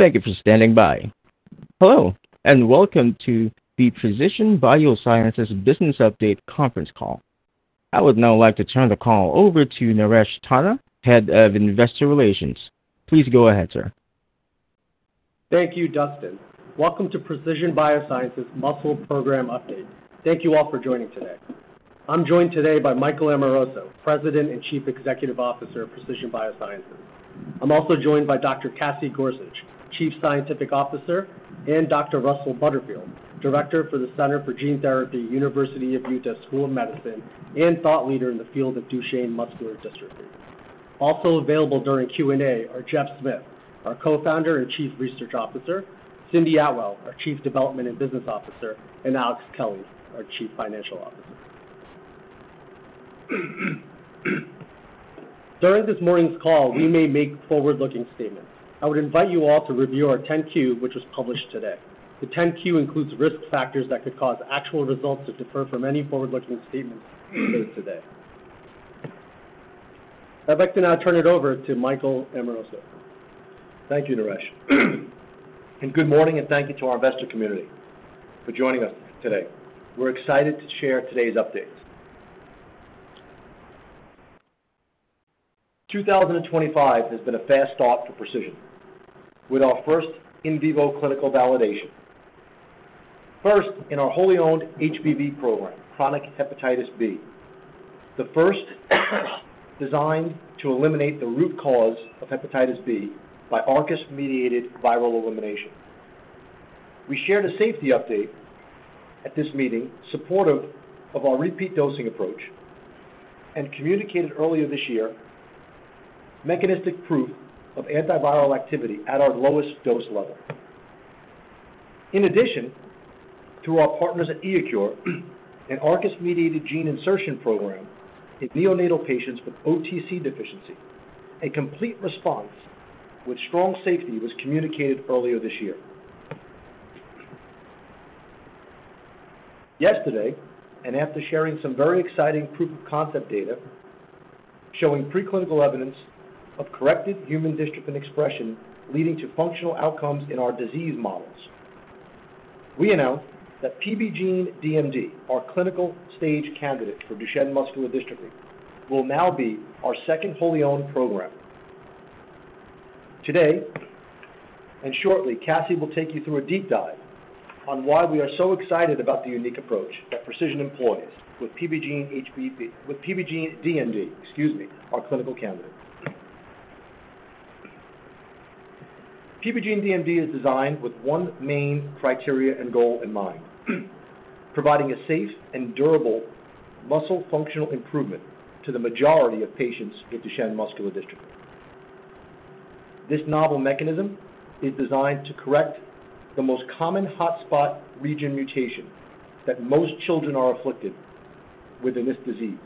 Thank you for standing by. Hello, and welcome to the Precision BioSciences Business Update conference call. I would now like to turn the call over to Naresh Tanna, Head of Investor Relations. Please go ahead, sir. Thank you, Dustin. Welcome to Precision BioSciences' Muscle Program Update. Thank you all for joining today. I'm joined today by Michael Amoroso, President and Chief Executive Officer of Precision BioSciences. I'm also joined by Dr. Cassie Gorsuch, Chief Scientific Officer, and Dr. Russell Butterfield, Director for the Center for Gene Therapy, University of Utah School of Medicine, and thought leader in the field of Duchenne muscular dystrophy. Also available during Q&A are Jeff Smith, our Co-Founder and Chief Research Officer; Cindy Atwell, our Chief Development and Business Officer; and Alex Kelly, our Chief Financial Officer. During this morning's call, we may make forward-looking statements. I would invite you all to review our 10-Q, which was published today. The 10-Q includes risk factors that could cause actual results to differ from any forward-looking statements made today. I'd like to now turn it over to Michael Amoroso. Thank you, Naresh. Good morning, and thank you to our investor community for joining us today. We're excited to share today's updates. 2024 has been a fast start for Precision, with our first in vivo clinical validation. First, in our wholly owned HBV program, chronic hepatitis B, the first designed to eliminate the root cause of hepatitis B by ARCUS-mediated viral elimination. We shared a safety update at this meeting supportive of our repeat dosing approach and communicated earlier this year mechanistic proof of antiviral activity at our lowest dose level. In addition, through our partners at iECURE, an ARCUS-mediated gene insertion program in neonatal patients with OTC deficiency, a complete response with strong safety was communicated earlier this year. Yesterday, and after sharing some very exciting proof-of-concept data showing preclinical evidence of corrected human dystrophin expression leading to functional outcomes in our disease models, we announced that PBGENE-DMD, our clinical stage candidate for Duchenne muscular dystrophy, will now be our second wholly-owned program. Today, and shortly, Cassie will take you through a deep dive on why we are so excited about the unique approach that Precision employs with PBGENE-DMD, excuse me, our clinical candidate. PBGENE-DMD is designed with one main criteria and goal in mind: providing a safe and durable muscle functional improvement to the majority of patients with Duchenne muscular dystrophy. This novel mechanism is designed to correct the most common hotspot region mutation that most children are afflicted with in this disease,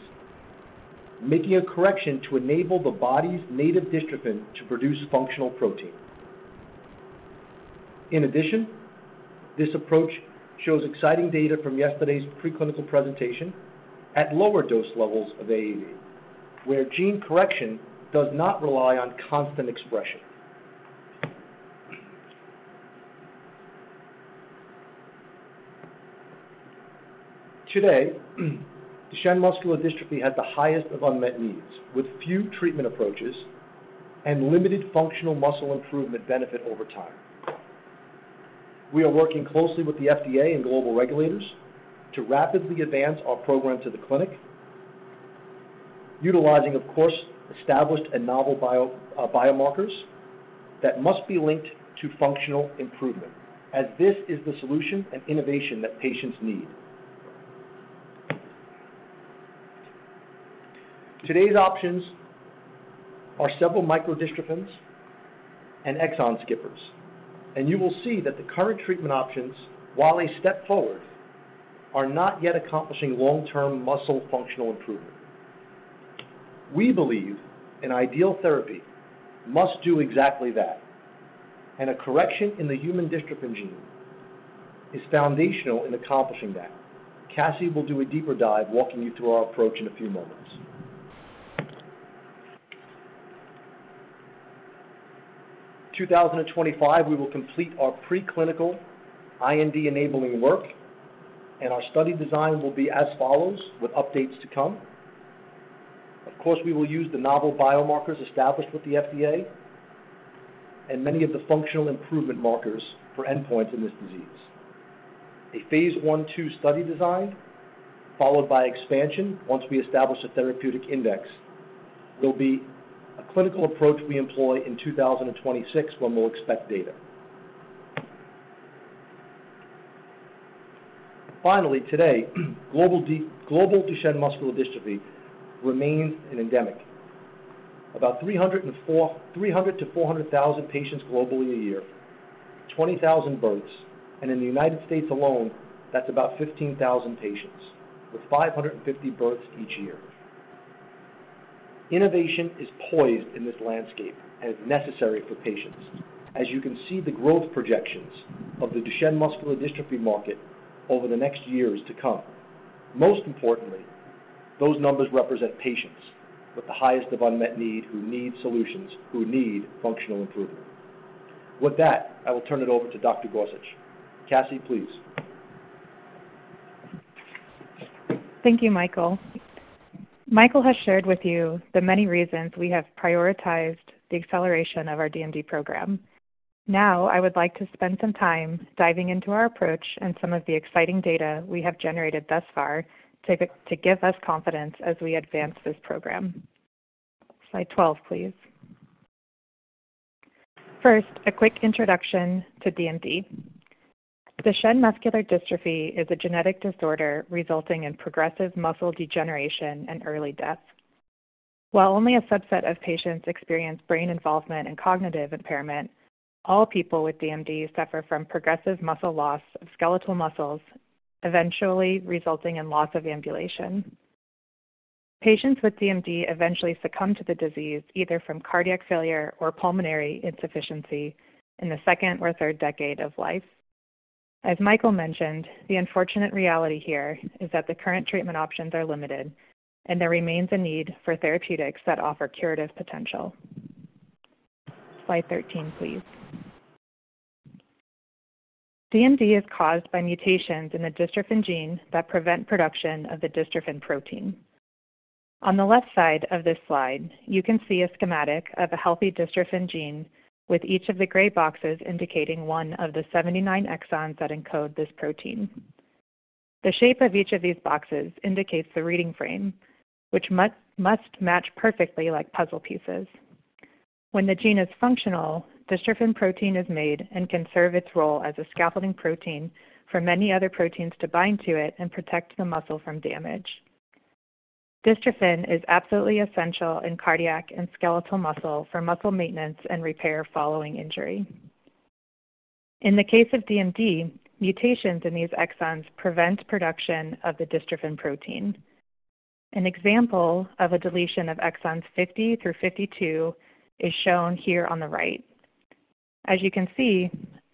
making a correction to enable the body's native dystrophin to produce functional protein. In addition, this approach shows exciting data from yesterday's preclinical presentation at lower dose levels of AAV, where gene correction does not rely on constant expression. Today, Duchenne muscular dystrophy has the highest of unmet needs, with few treatment approaches and limited functional muscle improvement benefit over time. We are working closely with the FDA and global regulators to rapidly advance our program to the clinic, utilizing, of course, established and novel biomarkers that must be linked to functional improvement, as this is the solution and innovation that patients need. Today's options are several microdystrophins and exon skippers, and you will see that the current treatment options, while a step forward, are not yet accomplishing long-term muscle functional improvement. We believe an ideal therapy must do exactly that, and a correction in the human dystrophin gene is foundational in accomplishing that. Cassie will do a deeper dive, walking you through our approach in a few moments. In 2025, we will complete our preclinical IND-enabling work, and our study design will be as follows, with updates to come. Of course, we will use the novel biomarkers established with the FDA and many of the functional improvement markers for endpoints in this disease. A phase I-II study design, followed by expansion once we establish a therapeutic index, will be a clinical approach we employ in 2026 when we'll expect data. Finally, today, global Duchenne muscular dystrophy remains an endemic. About 300,000-400,000 patients globally a year, 20,000 births, and in the United States alone, that's about 15,000 patients, with 550 births each year. Innovation is poised in this landscape and is necessary for patients, as you can see the growth projections of the Duchenne muscular dystrophy market over the next years to come. Most importantly, those numbers represent patients with the highest of unmet need who need solutions, who need functional improvement. With that, I will turn it over to Dr. Gorsuch. Cassie, please. Thank you, Michael. Michael has shared with you the many reasons we have prioritized the acceleration of our DMD program. Now, I would like to spend some time diving into our approach and some of the exciting data we have generated thus far to give us confidence as we advance this program. Slide 12, please. First, a quick introduction to DMD. Duchenne muscular dystrophy is a genetic disorder resulting in progressive muscle degeneration and early death. While only a subset of patients experience brain involvement and cognitive impairment, all people with DMD suffer from progressive muscle loss of skeletal muscles, eventually resulting in loss of ambulation. Patients with DMD eventually succumb to the disease either from cardiac failure or pulmonary insufficiency in the second or third decade of life. As Michael mentioned, the unfortunate reality here is that the current treatment options are limited, and there remains a need for therapeutics that offer curative potential. Slide 13, please. DMD is caused by mutations in the dystrophin gene that prevent production of the dystrophin protein. On the left side of this slide, you can see a schematic of a healthy dystrophin gene, with each of the gray boxes indicating one of the 79 exons that encode this protein. The shape of each of these boxes indicates the reading frame, which must match perfectly like puzzle pieces. When the gene is functional, dystrophin protein is made and can serve its role as a scaffolding protein for many other proteins to bind to it and protect the muscle from damage. Dystrophin is absolutely essential in cardiac and skeletal muscle for muscle maintenance and repair following injury. In the case of DMD, mutations in these exons prevent production of the dystrophin protein. An example of a deletion of exons 50 through 52 is shown here on the right. As you can see,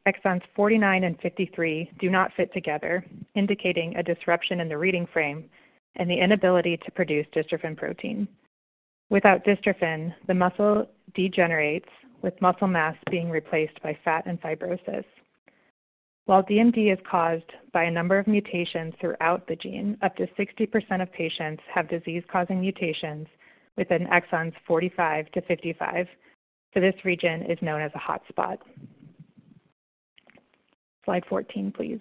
exons 49 and 53 do not fit together, indicating a disruption in the reading frame and the inability to produce dystrophin protein. Without dystrophin, the muscle degenerates, with muscle mass being replaced by fat and fibrosis. While DMD is caused by a number of mutations throughout the gene, up to 60% of patients have disease-causing mutations within exons 45-55, so this region is known as a hotspot. Slide 14, please.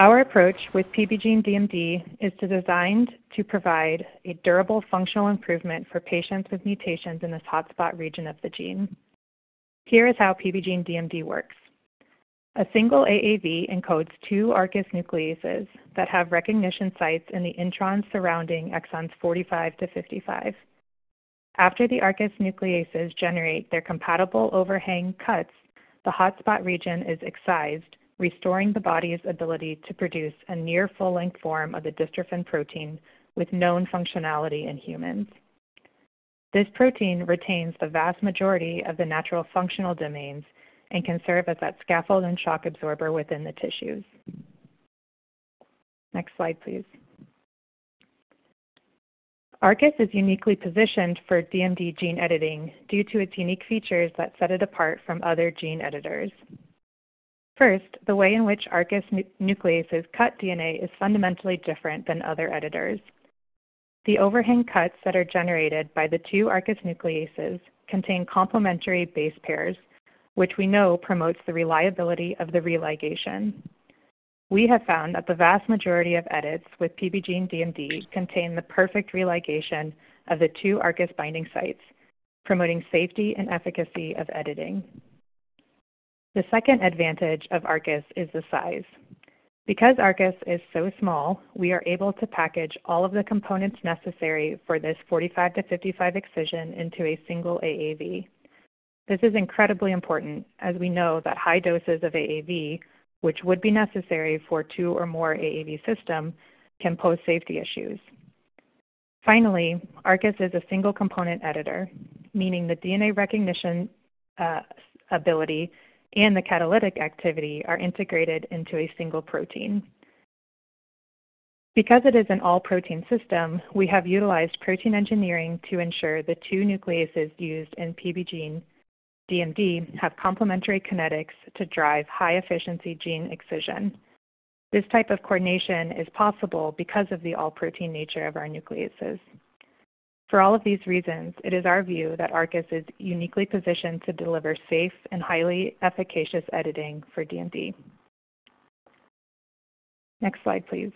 Our approach with PBGENE-DMD is designed to provide a durable functional improvement for patients with mutations in this hotspot region of the gene. Here is how PBGENE-DMD works. A single AAV encodes two ARCUS nucleases that have recognition sites in the introns surrounding exons 45-55. After the ARCUS nucleases generate their compatible overhang cuts, the hotspot region is excised, restoring the body's ability to produce a near full-length form of the dystrophin protein with known functionality in humans. This protein retains the vast majority of the natural functional domains and can serve as that scaffold and shock absorber within the tissues. Next slide, please. ARCUS is uniquely positioned for DMD gene editing due to its unique features that set it apart from other gene editors. First, the way in which ARCUS nucleases cut DNA is fundamentally different than other editors. The overhang cuts that are generated by the two ARCUS nucleases contain complementary base pairs, which we know promotes the reliability of the relegation. We have found that the vast majority of edits with PBGENE-DMD contain the perfect relegation of the two ARCUS binding sites, promoting safety and efficacy of editing. The second advantage of ARCUS is the size. Because ARCUS is so small, we are able to package all of the components necessary for this 45-55 excision into a single AAV. This is incredibly important, as we know that high doses of AAV, which would be necessary for a two or more AAV systems, can pose safety issues. Finally, ARCUS is a single-component editor, meaning the DNA recognition ability and the catalytic activity are integrated into a single protein. Because it is an all-protein system, we have utilized protein engineering to ensure the two nucleases used in PBGENE-DMD have complementary kinetics to drive high-efficiency gene excision. This type of coordination is possible because of the all-protein nature of our nucleases. For all of these reasons, it is our view that ARCUS is uniquely positioned to deliver safe and highly efficacious editing for DMD. Next slide, please.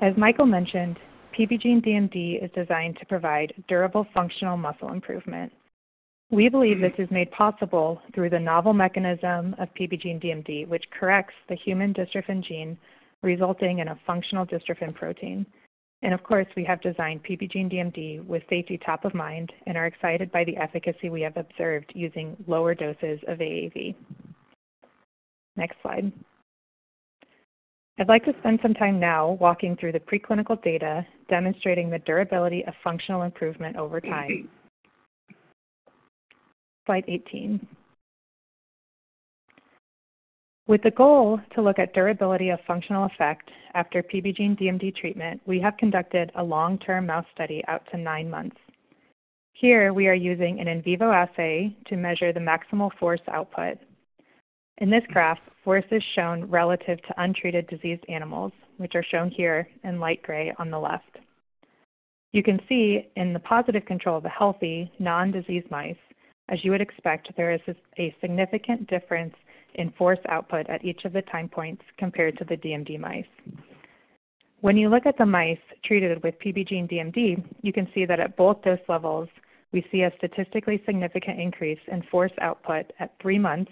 As Michael mentioned, PBGENE-DMD is designed to provide durable functional muscle improvement. We believe this is made possible through the novel mechanism of PBGENE-DMD, which corrects the human dystrophin gene, resulting in a functional dystrophin protein. Of course, we have designed PBGENE-DMD with safety top of mind and are excited by the efficacy we have observed using lower doses of AAV. Next slide. I'd like to spend some time now walking through the preclinical data demonstrating the durability of functional improvement over time. Slide 18. With the goal to look at durability of functional effect after PBGENE-DMD treatment, we have conducted a long-term mouse study out to nine months. Here, we are using an in vivo assay to measure the maximal force output. In this graph, force is shown relative to untreated diseased animals, which are shown here in light gray on the left. You can see in the positive control of the healthy, non-diseased mice, as you would expect, there is a significant difference in force output at each of the time points compared to the DMD mice. When you look at the mice treated with PBGENE-DMD, you can see that at both dose levels, we see a statistically significant increase in force output at three months,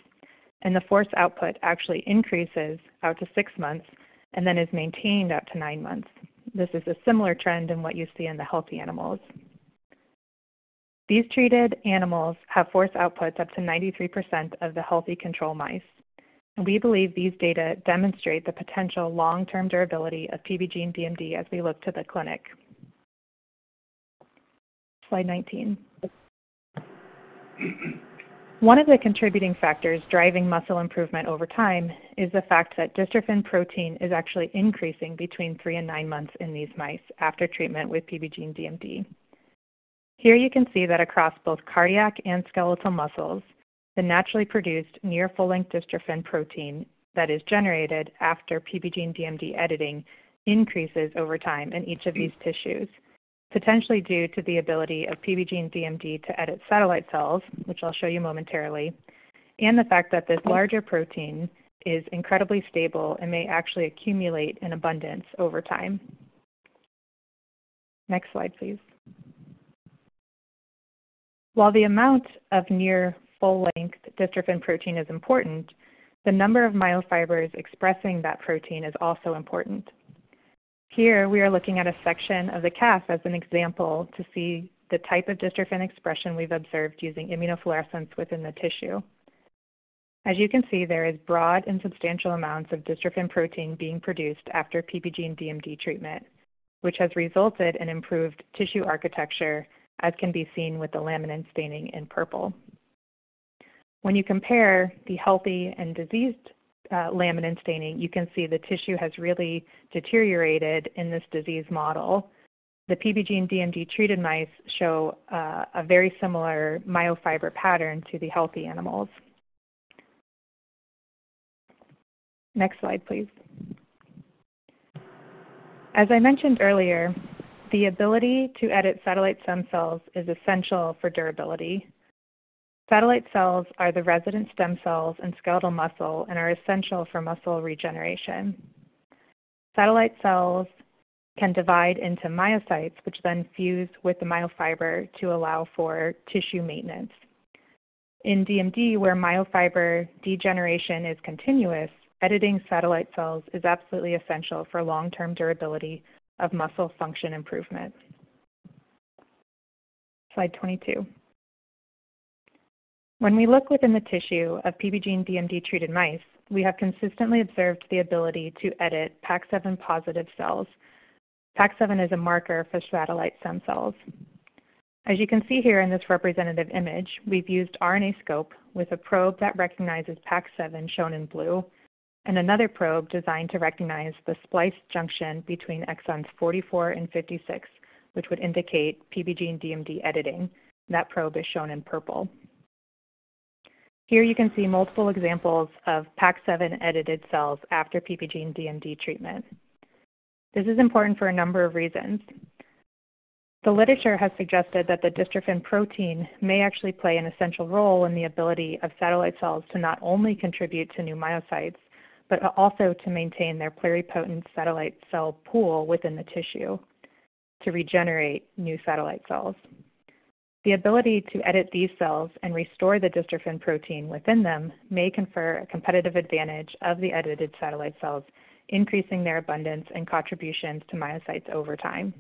and the force output actually increases out to six months and then is maintained up to nine months. This is a similar trend in what you see in the healthy animals. These treated animals have force outputs up to 93% of the healthy control mice. We believe these data demonstrate the potential long-term durability of PBGENE-DMD as we look to the clinic. Slide 19. One of the contributing factors driving muscle improvement over time is the fact that dystrophin protein is actually increasing between three and nine months in these mice after treatment with PBGENE-DMD. Here, you can see that across both cardiac and skeletal muscles, the naturally produced near full-length dystrophin protein that is generated after PBGENE-DMD editing increases over time in each of these tissues, potentially due to the ability of PBGENE-DMD to edit satellite cells, which I'll show you momentarily, and the fact that this larger protein is incredibly stable and may actually accumulate in abundance over time. Next slide, please. While the amount of near full-length dystrophin protein is important, the number of myofibers expressing that protein is also important. Here, we are looking at a section of the calf as an example to see the type of dystrophin expression we've observed using immunofluorescence within the tissue. As you can see, there are broad and substantial amounts of dystrophin protein being produced after PBGENE-DMD treatment, which has resulted in improved tissue architecture, as can be seen with the laminin staining in purple. When you compare the healthy and diseased laminin staining, you can see the tissue has really deteriorated in this disease model. The PBGENE-DMD treated mice show a very similar myofiber pattern to the healthy animals. Next slide, please. As I mentioned earlier, the ability to edit satellite stem cells is essential for durability. Satellite cells are the resident stem cells in skeletal muscle and are essential for muscle regeneration. Satellite cells can divide into myocytes, which then fuse with the myofiber to allow for tissue maintenance. In DMD, where myofiber degeneration is continuous, editing satellite cells is absolutely essential for long-term durability of muscle function improvement. Slide 22. When we look within the tissue of PBGENE-DMD treated mice, we have consistently observed the ability to edit PAX7-positive cells. PAX7 is a marker for satellite stem cells. As you can see here in this representative image, we've used RNAscope with a probe that recognizes PAX7, shown in blue, and another probe designed to recognize the spliced junction between exons 44 and 56, which would indicate PBGENE-DMD editing. That probe is shown in purple. Here, you can see multiple examples of PAX7-edited cells after PBGENE-DMD treatment. This is important for a number of reasons. The literature has suggested that the dystrophin protein may actually play an essential role in the ability of satellite cells to not only contribute to new myocytes, but also to maintain their pluripotent satellite cell pool within the tissue to regenerate new satellite cells. The ability to edit these cells and restore the dystrophin protein within them may confer a competitive advantage of the edited satellite cells, increasing their abundance and contributions to myocytes over time.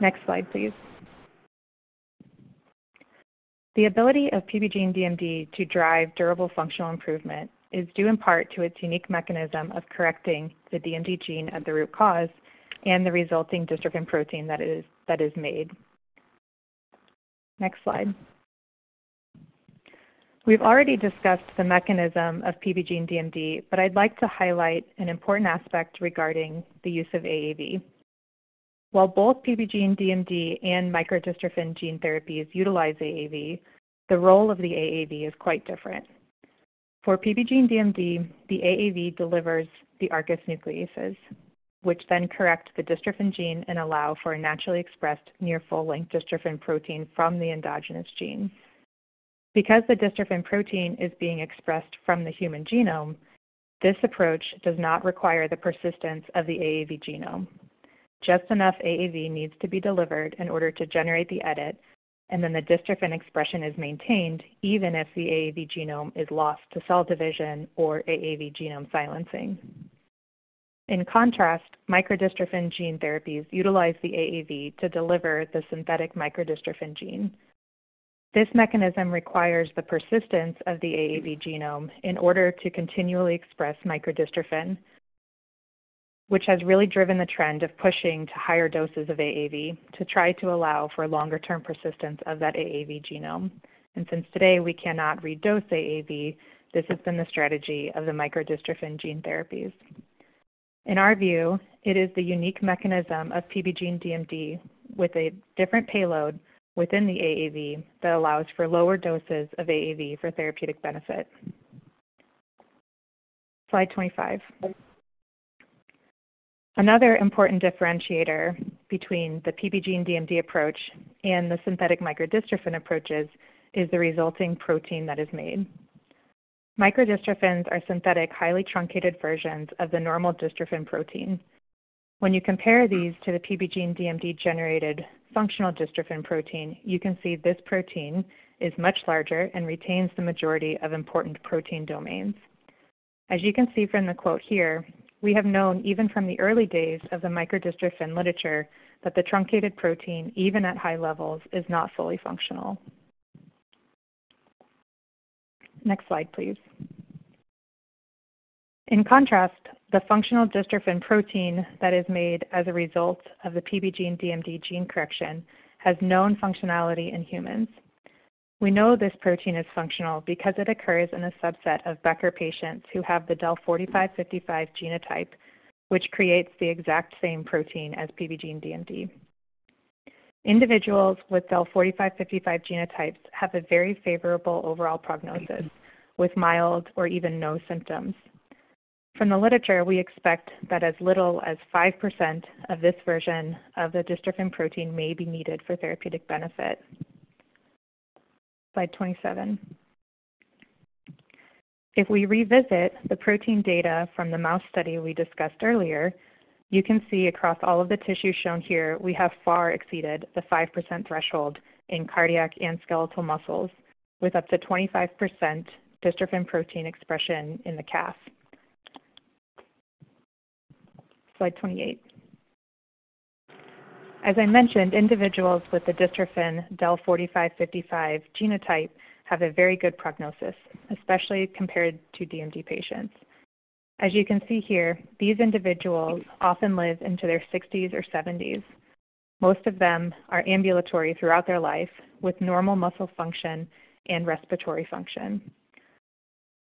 Next slide, please. The ability of PBGENE-DMD to drive durable functional improvement is due in part to its unique mechanism of correcting the DMD gene of the root cause and the resulting dystrophin protein that is made. Next slide. We've already discussed the mechanism of PBGENE-DMD, but I'd like to highlight an important aspect regarding the use of AAV. While both PBGENE-DMD and microdystrophin gene therapies utilize AAV, the role of the AAV is quite different. For PBGENE-DMD, the AAV delivers the ARCUS nucleases, which then correct the dystrophin gene and allow for a naturally expressed near full-length dystrophin protein from the endogenous gene. Because the dystrophin protein is being expressed from the human genome, this approach does not require the persistence of the AAV genome. Just enough AAV needs to be delivered in order to generate the edit, and then the dystrophin expression is maintained even if the AAV genome is lost to cell division or AAV genome silencing. In contrast, microdystrophin gene therapies utilize the AAV to deliver the synthetic microdystrophin gene. This mechanism requires the persistence of the AAV genome in order to continually express microdystrophin, which has really driven the trend of pushing to higher doses of AAV to try to allow for longer-term persistence of that AAV genome. Since today we cannot redose AAV, this has been the strategy of the microdystrophin gene therapies. In our view, it is the unique mechanism of PBGENE-DMD with a different payload within the AAV that allows for lower doses of AAV for therapeutic benefit. Slide 25. Another important differentiator between the PBGENE-DMD approach and the synthetic microdystrophin approaches is the resulting protein that is made. Microdystrophins are synthetic, highly truncated versions of the normal dystrophin protein. When you compare these to the PBGENE-DMD-generated functional dystrophin protein, you can see this protein is much larger and retains the majority of important protein domains. As you can see from the quote here, we have known even from the early days of the microdystrophin literature that the truncated protein, even at high levels, is not fully functional. Next slide, please. In contrast, the functional dystrophin protein that is made as a result of the PBGENE-DMD gene correction has known functionality in humans. We know this protein is functional because it occurs in a subset of Becker patients who have the DEL4555 genotype, which creates the exact same protein as PBGENE-DMD. Individuals with DEL4555 genotypes have a very favorable overall prognosis with mild or even no symptoms. From the literature, we expect that as little as 5% of this version of the dystrophin protein may be needed for therapeutic benefit. Slide 27. If we revisit the protein data from the mouse study we discussed earlier, you can see across all of the tissues shown here, we have far exceeded the 5% threshold in cardiac and skeletal muscles with up to 25% dystrophin protein expression in the calf. Slide 28. As I mentioned, individuals with the dystrophin DEL4555 genotype have a very good prognosis, especially compared to DMD patients. As you can see here, these individuals often live into their 60s or 70s. Most of them are ambulatory throughout their life with normal muscle function and respiratory function.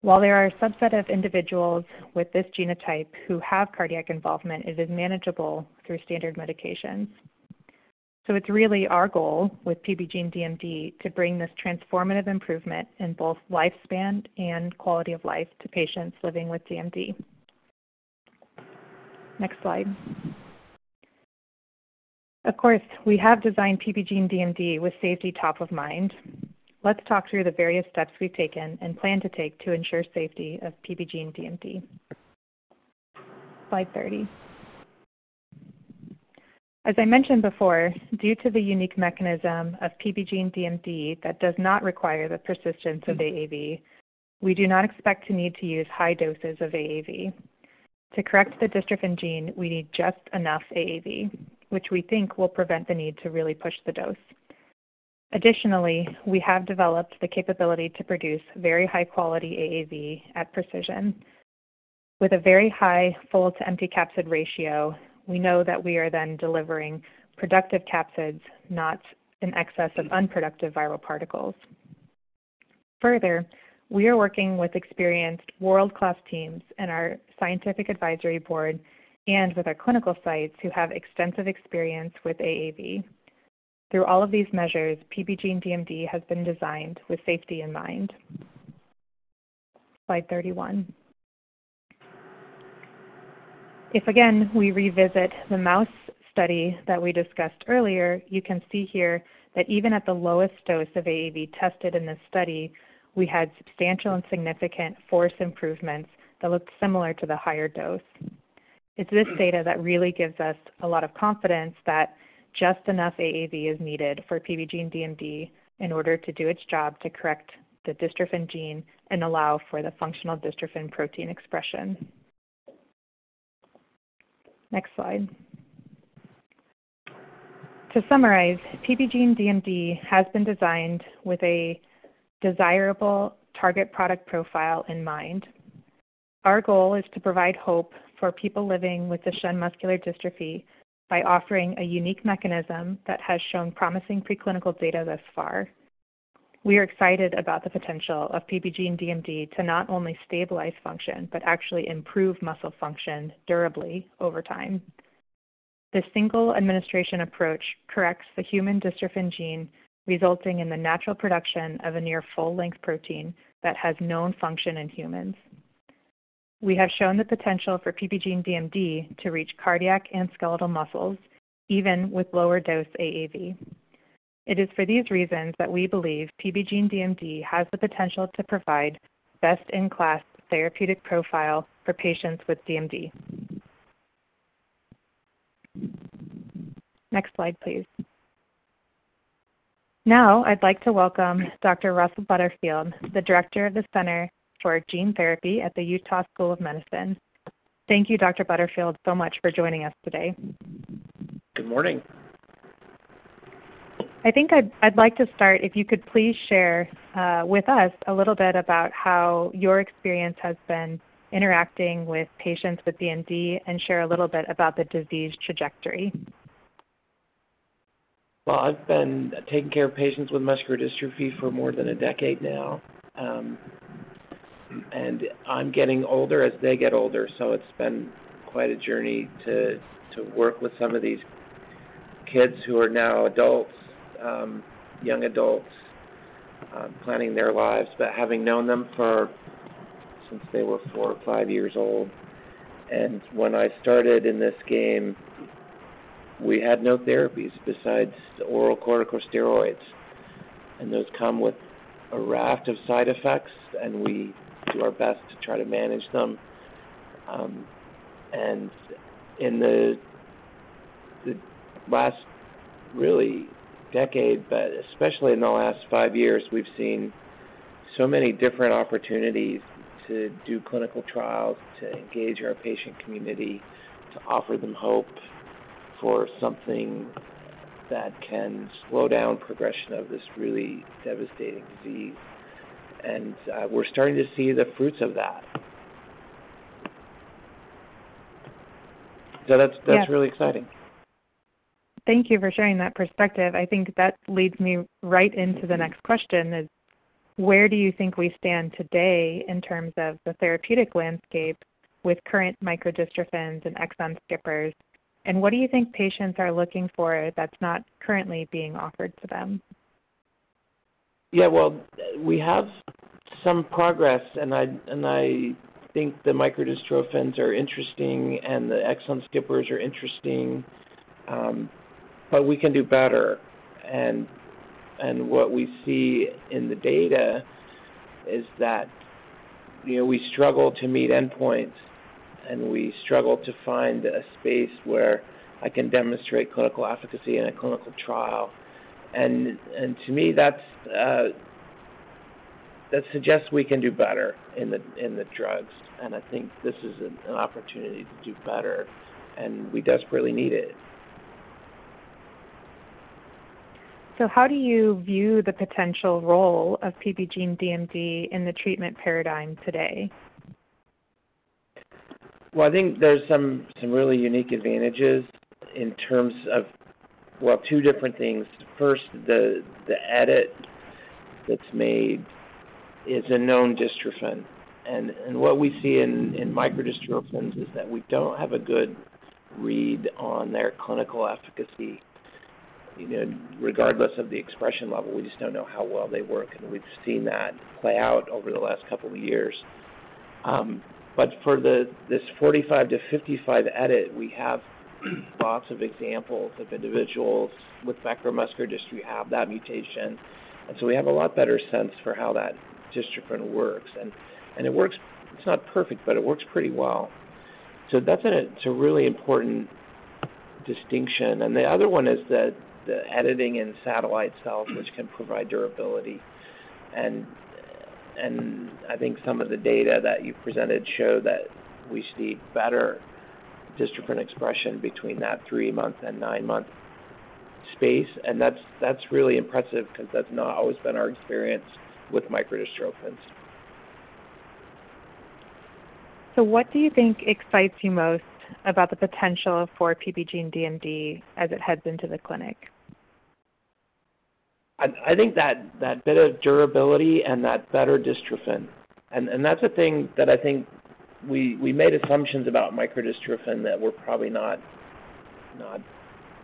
While there are a subset of individuals with this genotype who have cardiac involvement, it is manageable through standard medications. It is really our goal with PBGENE-DMD to bring this transformative improvement in both lifespan and quality of life to patients living with DMD. Next slide. Of course, we have designed PBGENE-DMD with safety top of mind. Let's talk through the various steps we've taken and plan to take to ensure safety of PBGENE-DMD. Slide 30. As I mentioned before, due to the unique mechanism of PBGENE-DMD that does not require the persistence of AAV, we do not expect to need to use high doses of AAV. To correct the dystrophin gene, we need just enough AAV, which we think will prevent the need to really push the dose. Additionally, we have developed the capability to produce very high-quality AAV at Precision. With a very high full-to-empty capsid ratio, we know that we are then delivering productive capsids, not an excess of unproductive viral particles. Further, we are working with experienced world-class teams and our scientific advisory board and with our clinical sites who have extensive experience with AAV. Through all of these measures, PBGENE-DMD has been designed with safety in mind. Slide 31. If again we revisit the mouse study that we discussed earlier, you can see here that even at the lowest dose of AAV tested in this study, we had substantial and significant force improvements that looked similar to the higher dose. It is this data that really gives us a lot of confidence that just enough AAV is needed for PBGENE-DMD in order to do its job to correct the dystrophin gene and allow for the functional dystrophin protein expression. Next slide. To summarize, PBGENE-DMD has been designed with a desirable target product profile in mind. Our goal is to provide hope for people living with Duchenne muscular dystrophy by offering a unique mechanism that has shown promising preclinical data thus far. We are excited about the potential of PBGENE-DMD to not only stabilize function, but actually improve muscle function durably over time. The single administration approach corrects the human dystrophin gene, resulting in the natural production of a near full-length protein that has known function in humans. We have shown the potential for PBGENE-DMD to reach cardiac and skeletal muscles even with lower dose AAV. It is for these reasons that we believe PBGENE-DMD has the potential to provide best-in-class therapeutic profile for patients with DMD. Next slide, please. Now, I'd like to welcome Dr. Russell Butterfield, the Director of the Center for Gene Therapy at the University of Utah School of Medicine. Thank you, Dr. Butterfield, so much for joining us today. Good morning. I think I'd like to start, if you could please share with us a little bit about how your experience has been interacting with patients with DMD and share a little bit about the disease trajectory. I have been taking care of patients with muscular dystrophy for more than a decade now. I am getting older as they get older, so it has been quite a journey to work with some of these kids who are now adults, young adults, planning their lives, but having known them since they were four or five years old. When I started in this game, we had no therapies besides oral corticosteroids. Those come with a raft of side effects, and we do our best to try to manage them. In the last really decade, but especially in the last five years, we have seen so many different opportunities to do clinical trials, to engage our patient community, to offer them hope for something that can slow down progression of this really devastating disease. We are starting to see the fruits of that. That is really exciting. Thank you for sharing that perspective. I think that leads me right into the next question: where do you think we stand today in terms of the therapeutic landscape with current microdystrophins and exon skippers? What do you think patients are looking for that is not currently being offered to them? We have some progress, and I think the microdystrophins are interesting and the exon skippers are interesting, but we can do better. What we see in the data is that we struggle to meet endpoints, and we struggle to find a space where I can demonstrate clinical efficacy in a clinical trial. To me, that suggests we can do better in the drugs. I think this is an opportunity to do better, and we desperately need it. How do you view the potential role of PBGENE-DMD in the treatment paradigm today? I think there are some really unique advantages in terms of two different things. First, the edit that's made is a known dystrophin. What we see in microdystrophins is that we do not have a good read on their clinical efficacy, regardless of the expression level. We just do not know how well they work, and we have seen that play out over the last couple of years. For this 45-55 edit, we have lots of examples of individuals with Becker muscular dystrophy who have that mutation. We have a lot better sense for how that dystrophin works. It works—it's not perfect, but it works pretty well. That is a really important distinction. The other one is the editing in satellite cells, which can provide durability. I think some of the data that you presented show that we see better dystrophin expression between that three-month and nine-month space. That is really impressive because that has not always been our experience with microdystrophins. What do you think excites you most about the potential for PBGENE-DMD as it heads into the clinic? I think that bit of durability and that better dystrophin. That is a thing that I think we made assumptions about microdystrophin that were probably not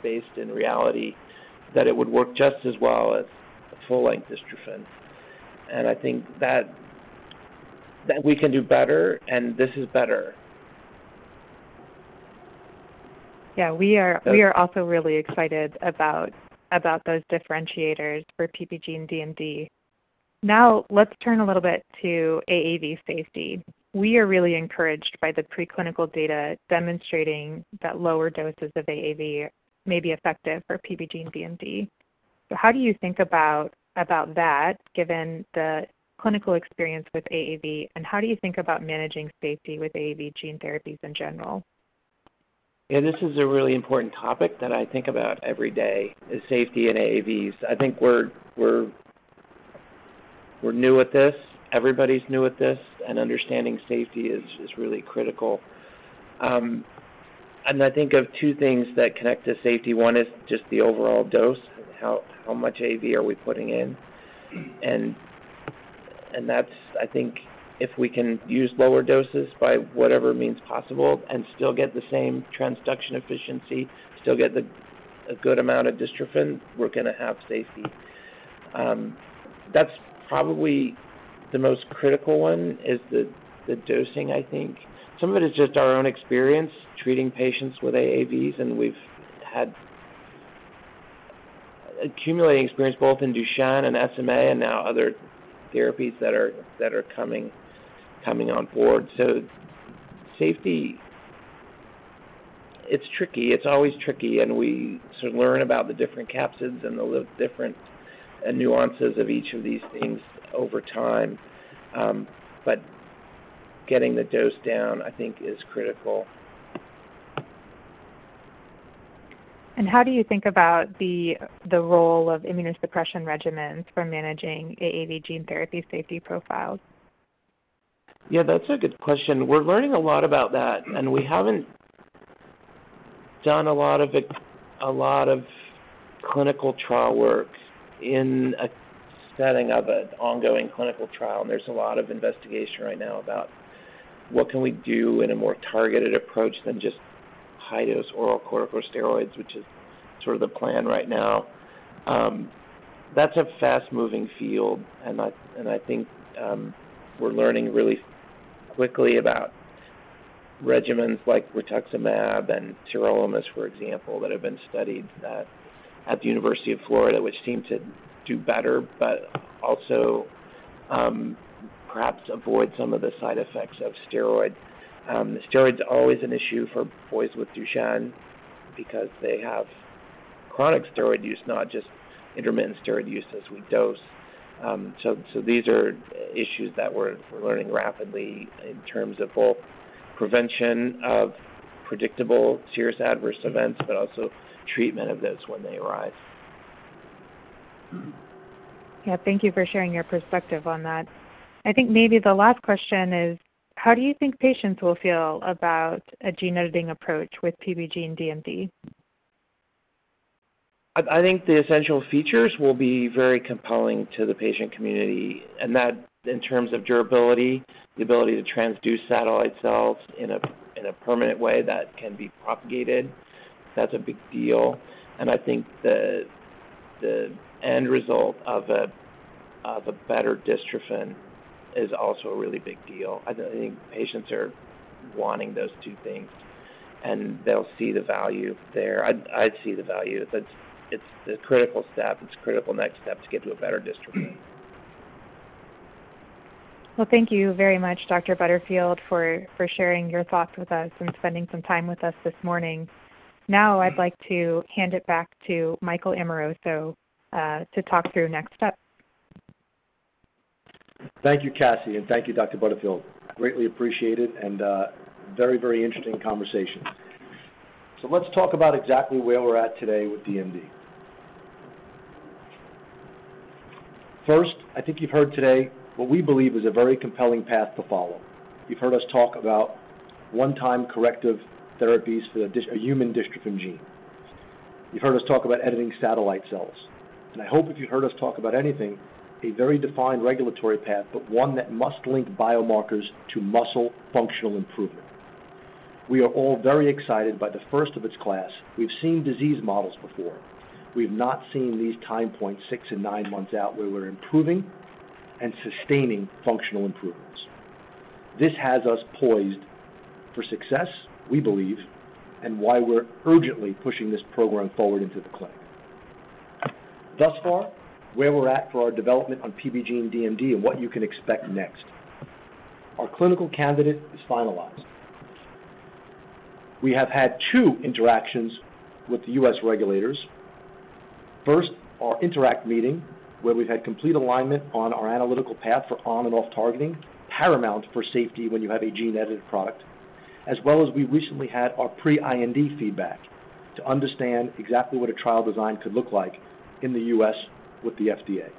based in reality, that it would work just as well as a full-length dystrophin. I think that we can do better, and this is better. Yeah, we are also really excited about those differentiators for PBGENE-DMD. Now, let's turn a little bit to AAV safety. We are really encouraged by the preclinical data demonstrating that lower doses of AAV may be effective for PBGENE-DMD. How do you think about that, given the clinical experience with AAV, and how do you think about managing safety with AAV gene therapies in general? Yeah, this is a really important topic that I think about every day, is safety and AAVs. I think we are new at this. Everybody is new at this, and understanding safety is really critical. I think of two things that connect to safety. One is just the overall dose, how much AAV are we putting in. I think if we can use lower doses by whatever means possible and still get the same transduction efficiency, still get a good amount of dystrophin, we're going to have safety. That's probably the most critical one, the dosing, I think. Some of it is just our own experience treating patients with AAVs, and we've had accumulating experience both in Duchenne and SMA and now other therapies that are coming on board. Safety, it's tricky. It's always tricky. We sort of learn about the different capsids and the different nuances of each of these things over time. Getting the dose down, I think, is critical. How do you think about the role of immunosuppression regimens for managing AAV gene therapy safety profiles? Yeah, that's a good question. We're learning a lot about that, and we haven't done a lot of clinical trial work in a setting of an ongoing clinical trial. There's a lot of investigation right now about what can we do in a more targeted approach than just high-dose oral corticosteroids, which is sort of the plan right now. That's a fast-moving field. I think we're learning really quickly about regimens like rituximab and sirolimus, for example, that have been studied at the University of Florida, which seem to do better, but also perhaps avoid some of the side effects of steroids. Steroids are always an issue for boys with Duchenne because they have chronic steroid use, not just intermittent steroid use as we dose. These are issues that we're learning rapidly in terms of both prevention of predictable serious adverse events, but also treatment of those when they arise. Yeah, thank you for sharing your perspective on that. I think maybe the last question is, how do you think patients will feel about a gene editing approach with PBGENE-DMD? I think the essential features will be very compelling to the patient community. In terms of durability, the ability to transduce satellite cells in a permanent way that can be propagated, that's a big deal. I think the end result of a better dystrophin is also a really big deal. I think patients are wanting those two things, and they'll see the value there. I see the value. It's the critical step. It's a critical next step to get to a better dystrophin. Thank you very much, Dr. Butterfield, for sharing your thoughts with us and spending some time with us this morning. Now, I'd like to hand it back to Michael Amoroso to talk through next steps. Than k you, Cassie, and thank you, Dr. Butterfield. Greatly appreciated and very, very interesting conversation. Let's talk about exactly where we're at today with DMD. First, I think you've heard today what we believe is a very compelling path to follow. You've heard us talk about one-time corrective therapies for a human dystrophin gene. You've heard us talk about editing satellite cells. I hope if you've heard us talk about anything, a very defined regulatory path, but one that must link biomarkers to muscle functional improvement. We are all very excited by the first of its class. We've seen disease models before. We've not seen these time points six and nine months out where we're improving and sustaining functional improvements. This has us poised for success, we believe, and why we're urgently pushing this program forward into the clinic. Thus far, where we're at for our development on PBGENE-DMD and what you can expect next. Our clinical candidate is finalized. We have had two interactions with the U.S. regulators. First, our interact meeting where we've had complete alignment on our analytical path for on-and-off targeting, paramount for safety when you have a gene-edited product, as well as we recently had our pre-IND feedback to understand exactly what a trial design could look like in the U.S. with the FDA.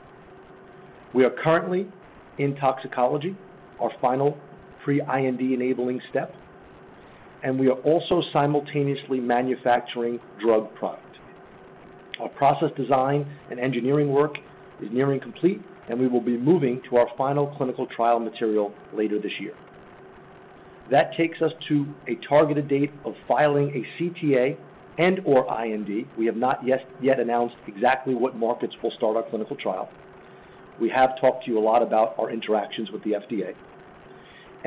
We are currently in toxicology, our final pre-IND enabling step, and we are also simultaneously manufacturing drug product. Our process design and engineering work is nearing complete, and we will be moving to our final clinical trial material later this year. That takes us to a targeted date of filing a CTA and/or IND. We have not yet announced exactly what markets will start our clinical trial. We have talked to you a lot about our interactions with the FDA.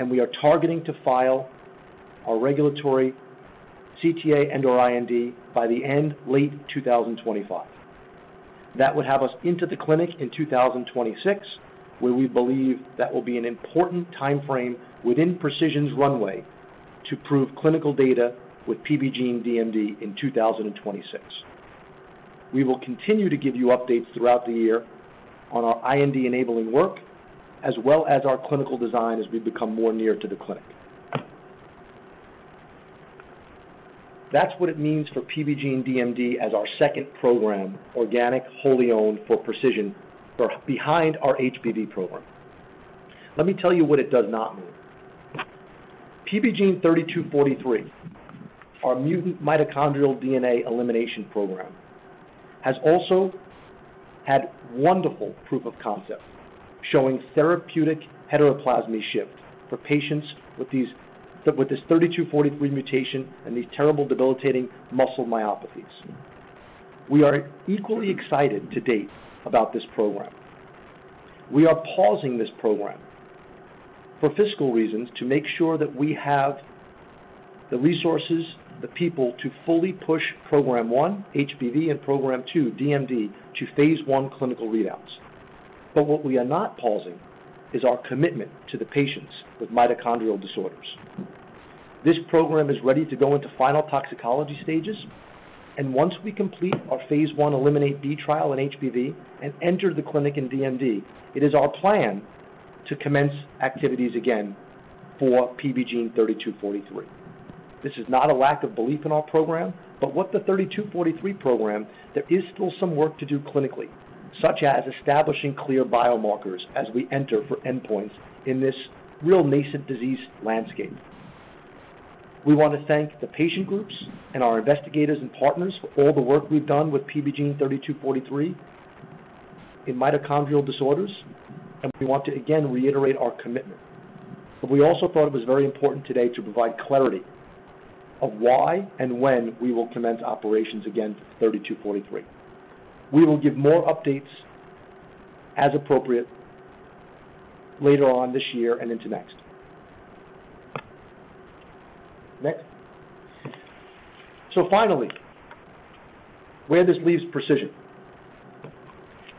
We are targeting to file our regulatory CTA and/or IND by the end, late 2025. That would have us into the clinic in 2026, where we believe that will be an important time frame within Precision's runway to prove clinical data with PBGENE-DMD in 2026. We will continue to give you updates throughout the year on our IND enabling work, as well as our clinical design as we become more near to the clinic. That's what it means for PBGENE-DMD as our second program, organic, wholly owned for Precision, behind our HBV program. Let me tell you what it does not mean. PBGENE-3243, our mutant mitochondrial DNA elimination program, has also had wonderful proof of concept showing therapeutic heteroplasmic shift for patients with this 3243 mutation and these terrible debilitating muscle myopathies. We are equally excited to date about this program. We are pausing this program for fiscal reasons to make sure that we have the resources, the people to fully push program one, HBV, and program two, DMD, to phase I clinical readouts. What we are not pausing is our commitment to the patients with mitochondrial disorders. This program is ready to go into final toxicology stages. Once we complete our phase I ELIMINATE-B trial in HBV and enter the clinic in DMD, it is our plan to commence activities again for PBGENE-3243. This is not a lack of belief in our program, but with the 3243 program, there is still some work to do clinically, such as establishing clear biomarkers as we enter for endpoints in this real nascent disease landscape. We want to thank the patient groups and our investigators and partners for all the work we have done with PBGENE-3243 in mitochondrial disorders. We want to, again, reiterate our commitment. We also thought it was very important today to provide clarity of why and when we will commence operations again for 3243. We will give more updates as appropriate later on this year and into next. Finally, where this leaves Precision.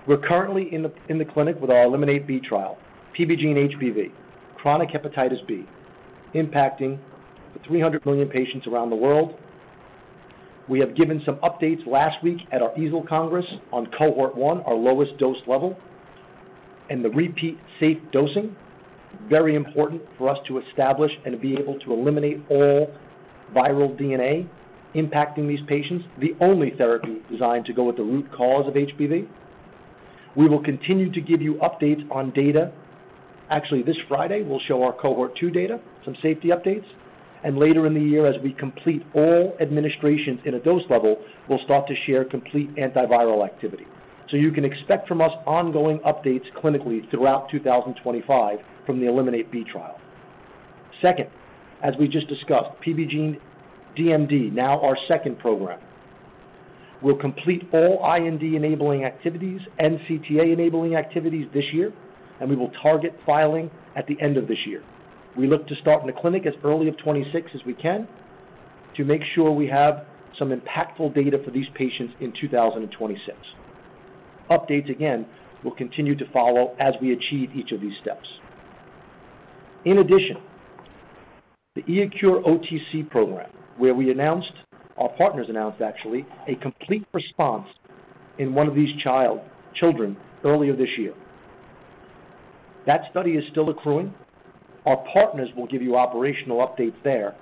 We're currently in the clinic with our ELIMINATE-B trial, PBGENE-HBV, chronic hepatitis B, impacting 300 million patients around the world. We have given some updates last week at our EASL Congress on cohort one, our lowest dose level, and the repeat safe dosing, very important for us to establish and be able to eliminate all viral DNA impacting these patients, the only therapy designed to go at the root cause of HBV. We will continue to give you updates on data. Actually, this Friday, we'll show our cohort two data, some safety updates. Later in the year, as we complete all administrations in a dose level, we'll start to share complete antiviral activity. You can expect from us ongoing updates clinically throughout 2025 from the ELIMINATE-B trial. Second, as we just discussed, PBGENE-DMD, now our second program, will complete all IND enabling activities and CTA enabling activities this year, and we will target filing at the end of this year. We look to start in the clinic as early as 2026 as we can to make sure we have some impactful data for these patients in 2026. Updates, again, we'll continue to follow as we achieve each of these steps. In addition, the iECURE OTC program, where we announced, our partners announced, actually, a complete response in one of these children earlier this year. That study is still accruing. Our partners will give you operational updates there,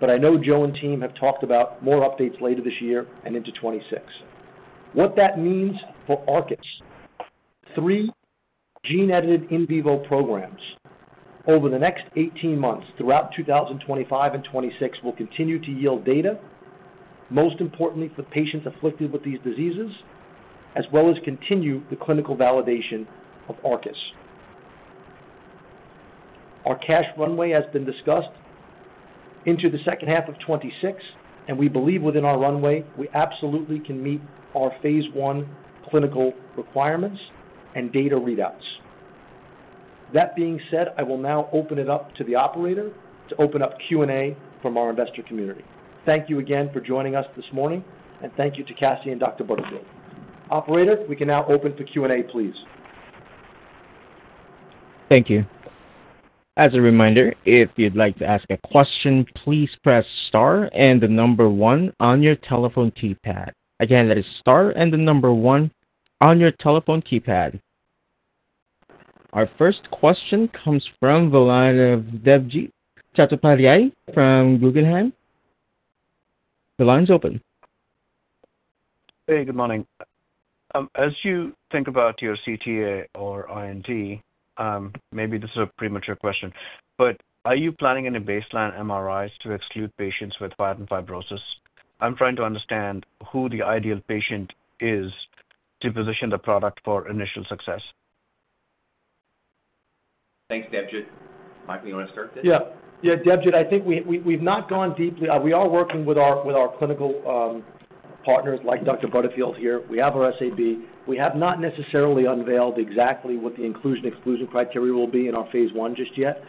but I know Joe and team have talked about more updates later this year and into 2026. What that means for ARCUS, three gene-edited in vivo programs over the next 18 months throughout 2025 and 2026 will continue to yield data, most importantly for patients afflicted with these diseases, as well as continue the clinical validation of ARCUS. Our cash runway has been discussed into the second half of 2026, and we believe within our runway, we absolutely can meet our phase one clinical requirements and data readouts. That being said, I will now open it up to the operator to open up Q&A from our investor community. Thank you again for joining us this morning, and thank you to Cassie and Dr. Butterfield. Operator, we can now open for Q&A, please. Thank you. As a reminder, if you'd like to ask a question, please press star and the number one on your telephone keypad. Again, that is star and the number one on your telephone keypad. Our first question comes from Debjit Chattopadhyay from Guggenheim. The line's open. Hey, good morning. As you think about your CTA or IND, maybe this is a premature question, but are you planning any baseline MRIs to exclude patients with fibrosis? I'm trying to understand who the ideal patient is to position the product for initial success. Thanks, Debjit. Michael, you want to start this? Yeah. Yeah, Debjit, I think we've not gone deeply. We are working with our clinical partners like Dr. Butterfield here. We have our SAB. We have not necessarily unveiled exactly what the inclusion-exclusion criteria will be in our phase one just yet.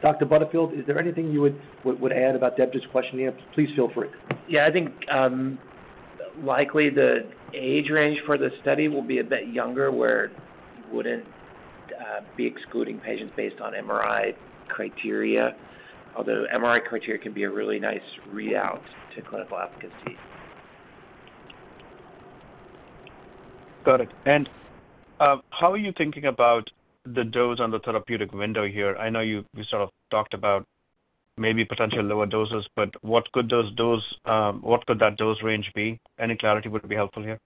Dr. Butterfield, is there anything you would add about Debjit's question here? Please feel free. Yeah, I think likely the age range for the study will be a bit younger where we would not be excluding patients based on MRI criteria, although MRI criteria can be a really nice readout to clinical advocacy. Got it. How are you thinking about the dose and the therapeutic window here? I know you sort of talked about maybe potential lower doses, but what could that dose range be? Any clarity would be helpful here.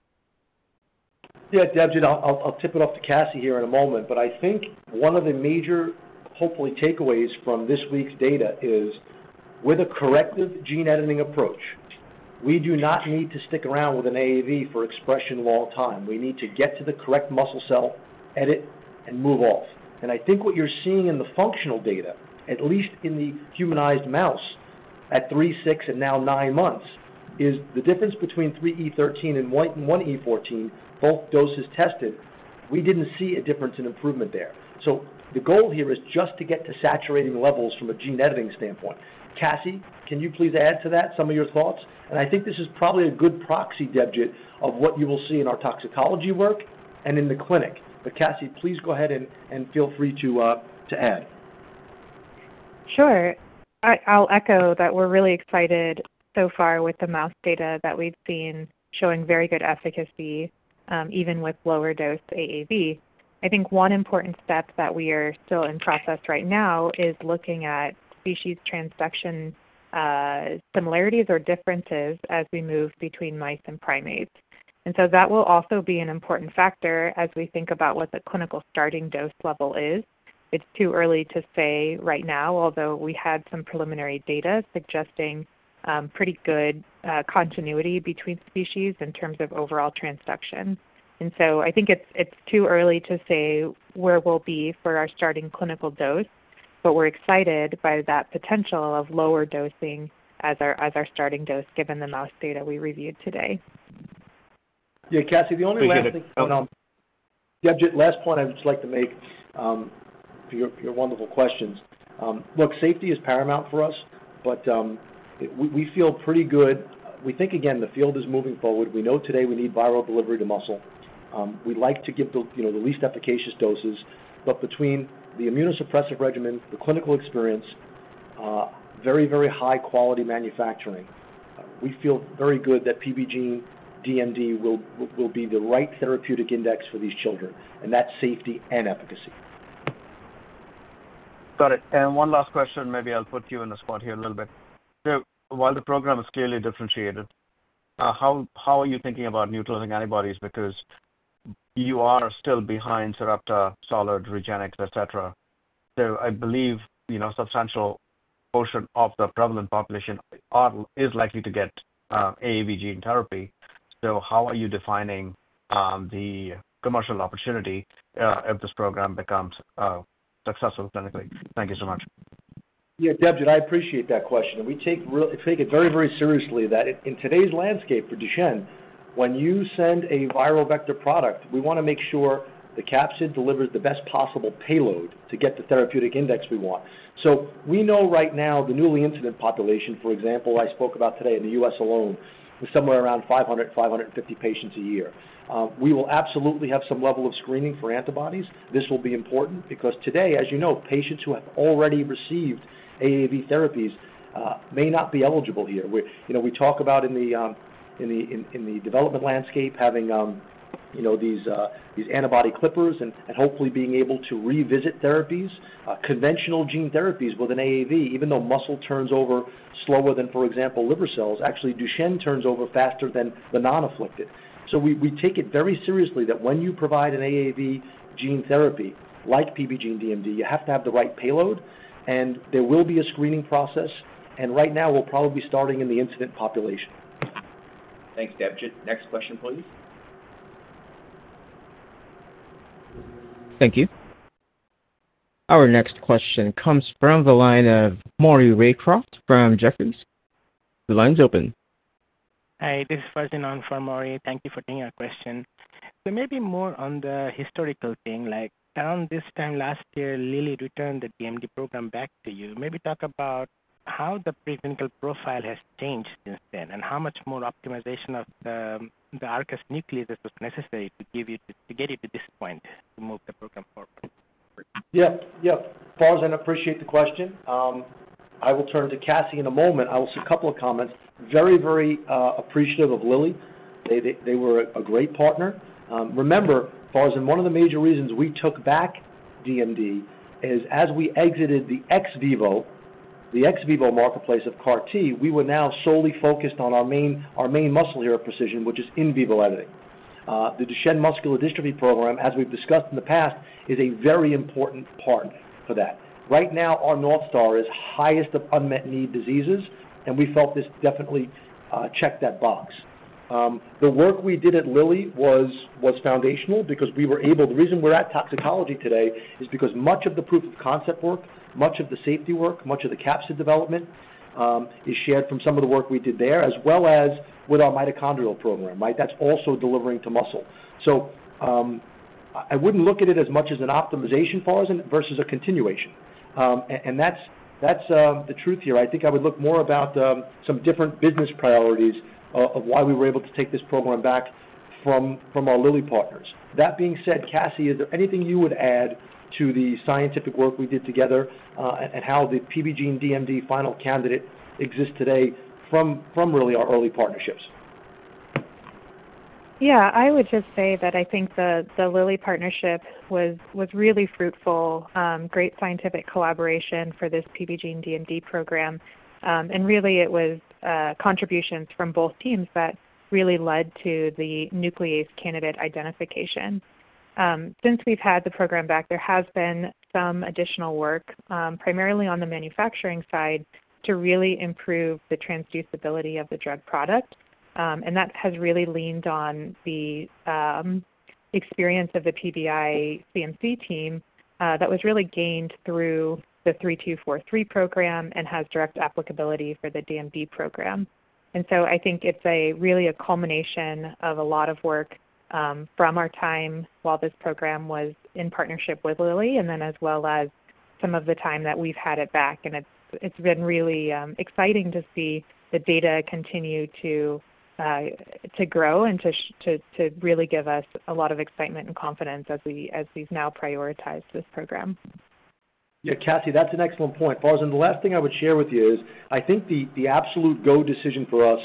Yeah, Debjit, I'll tip it off to Cassie here in a moment, but I think one of the major, hopefully, takeaways from this week's data is with a corrective gene editing approach, we do not need to stick around with an AAV for expression long time. We need to get to the correct muscle cell, edit, and move off. I think what you're seeing in the functional data, at least in the humanized mouse at three, six, and now nine months, is the difference between 3 E13 and 1 E14, both doses tested, we did not see a difference in improvement there. The goal here is just to get to saturating levels from a gene editing standpoint. Cassie, can you please add to that some of your thoughts? I think this is probably a good proxy, Debjit, of what you will see in our toxicology work and in the clinic. Cassie, please go ahead and feel free to add. Sure. I'll echo that we are really excited so far with the mouse data that we have seen showing very good efficacy even with lower dose AAV. I think one important step that we are still in process right now is looking at species transduction similarities or differences as we move between mice and primates. That will also be an important factor as we think about what the clinical starting dose level is. It's too early to say right now, although we had some preliminary data suggesting pretty good continuity between species in terms of overall transduction. I think it's too early to say where we'll be for our starting clinical dose, but we're excited by that potential of lower dosing as our starting dose given the mouse data we reviewed today. Yeah, Cassie, the only thing I think, Debjit, last point I would just like to make for your wonderful questions. Look, safety is paramount for us, but we feel pretty good. We think, again, the field is moving forward. We know today we need viral delivery to muscle. We'd like to give the least efficacious doses, but between the immunosuppressive regimen, the clinical experience, very, very high-quality manufacturing, we feel very good that PBGENE-DMD will be the right therapeutic index for these children and that safety and efficacy. Got it. One last question, maybe I'll put you in a spot here a little bit. While the program is clearly differentiated, how are you thinking about neutralizing antibodies? You are still behind Sarepta, Solid, RegenxBio, etc. I believe a substantial portion of the prevalent population is likely to get AAV gene therapy. How are you defining the commercial opportunity if this program becomes successful clinically? Thank you so much. Yeah, Debjit, I appreciate that question. We take it very, very seriously that in today's landscape for Duchenne, when you send a viral vector product, we want to make sure the capsid delivers the best possible payload to get the therapeutic index we want. We know right now the newly incident population, for example, I spoke about today in the U.S. alone, is somewhere around 500-550 patients a year. We will absolutely have some level of screening for antibodies. This will be important because today, as you know, patients who have already received AAV therapies may not be eligible here. We talk about in the development landscape having these antibody clippers and hopefully being able to revisit therapies, conventional gene therapies with an AAV, even though muscle turns over slower than, for example, liver cells, actually Duchenne turns over faster than the non-afflicted. We take it very seriously that when you provide an AAV gene therapy like PBGENE-DMD, you have to have the right payload, and there will be a screening process. Right now, we'll probably be starting in the incident population. Thanks, Debjit. Next question, please. Thank you. Our next question comes from the line of Maury Raycroft from Jefferies. The line's open. Hi, this is Farzinon from Maury. Thank you for doing our question. There may be more on the historical thing, like around this time last year, Lilly returned the DMD program back to you. Maybe talk about how the preclinical profile has changed since then and how much more optimization of the ARCUS nucleus was necessary to get you to this point to move the program forward. Yep, yep. Farzin, I appreciate the question. I will turn to Cassie in a moment. I will see a couple of comments. Very, very appreciative of Lilly. They were a great partner. Remember, Farzin, one of the major reasons we took back DMD is as we exited the ex vivo, the ex vivo marketplace of CAR-T, we were now solely focused on our main muscle here at Precision, which is in vivo editing. The Duchenne muscular dystrophy program, as we've discussed in the past, is a very important part for that. Right now, our North Star is highest of unmet need diseases, and we felt this definitely checked that box. The work we did at Lilly was foundational because we were able the reason we're at toxicology today is because much of the proof of concept work, much of the safety work, much of the capsid development is shared from some of the work we did there, as well as with our mitochondrial program, right? That's also delivering to muscle. I would not look at it as much as an optimization, Farzin, versus a continuation. That is the truth here. I think I would look more at some different business priorities of why we were able to take this program back from our Lilly partners. That being said, Cassie, is there anything you would add to the scientific work we did together and how the PBGENE-DMD final candidate exists today from really our early partnerships? Yeah, I would just say that I think the Lilly partnership was really fruitful, great scientific collaboration for this PBGENE-DMD program. It was contributions from both teams that really led to the nuclease candidate identification. Since we have had the program back, there has been some additional work, primarily on the manufacturing side, to really improve the transducibility of the drug product. That has really leaned on the experience of the PBI CMC team that was really gained through the 3243 program and has direct applicability for the DMD program. I think it's really a culmination of a lot of work from our time while this program was in partnership with Lilly and then as well as some of the time that we've had it back. It's been really exciting to see the data continue to grow and to really give us a lot of excitement and confidence as we've now prioritized this program. Yeah, Cassie, that's an excellent point. Farzin, the last thing I would share with you is I think the absolute go decision for us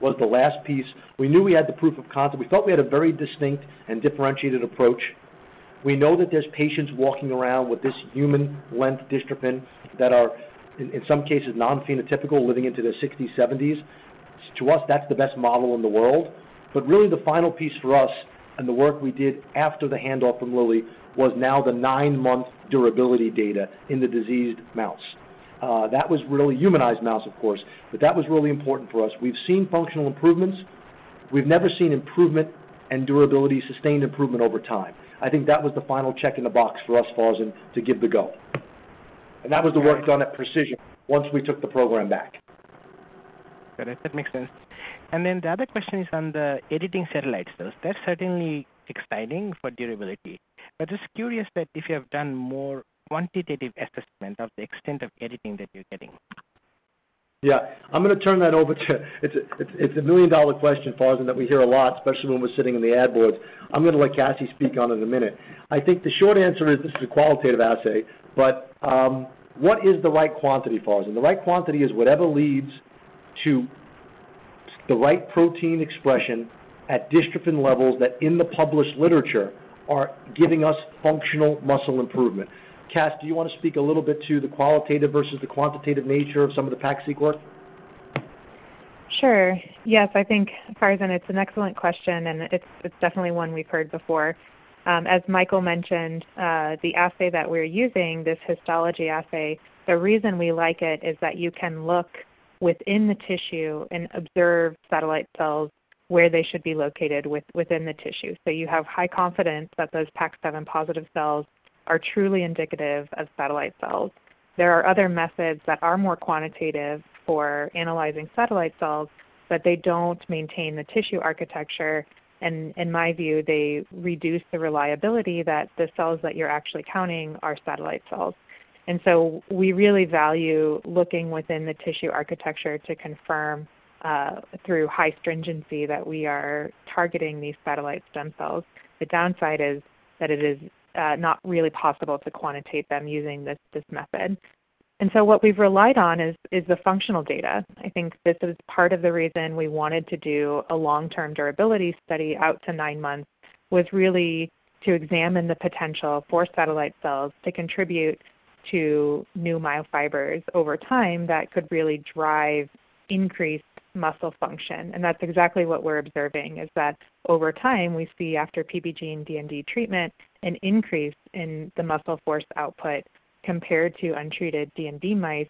was the last piece. We knew we had the proof of concept. We felt we had a very distinct and differentiated approach. We know that there's patients walking around with this human-linked dystrophin that are, in some cases, non-phenotypical, living into their 60s, 70s. To us, that's the best model in the world. Really, the final piece for us and the work we did after the handoff from Lilly was now the nine-month durability data in the diseased mouse. That was really humanized mouse, of course, but that was really important for us. We've seen functional improvements. We've never seen improvement and durability, sustained improvement over time. I think that was the final check in the box for us, Farzin, to give the go. That was the work done at Precision once we took the program back. Got it. That makes sense. The other question is on the editing satellites. That's certainly exciting for durability. I'm just curious that if you have done more quantitative assessment of the extent of editing that you're getting. Yeah. I'm going to turn that over to—it's a million-dollar question, Farzin, that we hear a lot, especially when we're sitting in the ad boards. I'm going to let Cassie speak on it in a minute. I think the short answer is this is a qualitative assay, but what is the right quantity, Farzin? The right quantity is whatever leads to the right protein expression at dystrophin levels that in the published literature are giving us functional muscle improvement. Cass, do you want to speak a little bit to the qualitative versus the quantitative nature of some of the PAC-seq work? Sure. Yes, I think, Farzin, it's an excellent question, and it's definitely one we've heard before. As Michael mentioned, the assay that we're using, this histology assay, the reason we like it is that you can look within the tissue and observe satellite cells where they should be located within the tissue. You have high confidence that those PAX7 positive cells are truly indicative of satellite cells. There are other methods that are more quantitative for analyzing satellite cells, but they don't maintain the tissue architecture. In my view, they reduce the reliability that the cells that you're actually counting are satellite cells. We really value looking within the tissue architecture to confirm through high stringency that we are targeting these satellite stem cells. The downside is that it is not really possible to quantitate them using this method. What we've relied on is the functional data. I think this is part of the reason we wanted to do a long-term durability study out to nine months was really to examine the potential for satellite cells to contribute to new myofibers over time that could really drive increased muscle function. That's exactly what we're observing is that over time, we see after PBGENE-DMD treatment, an increase in the muscle force output compared to untreated DMD mice,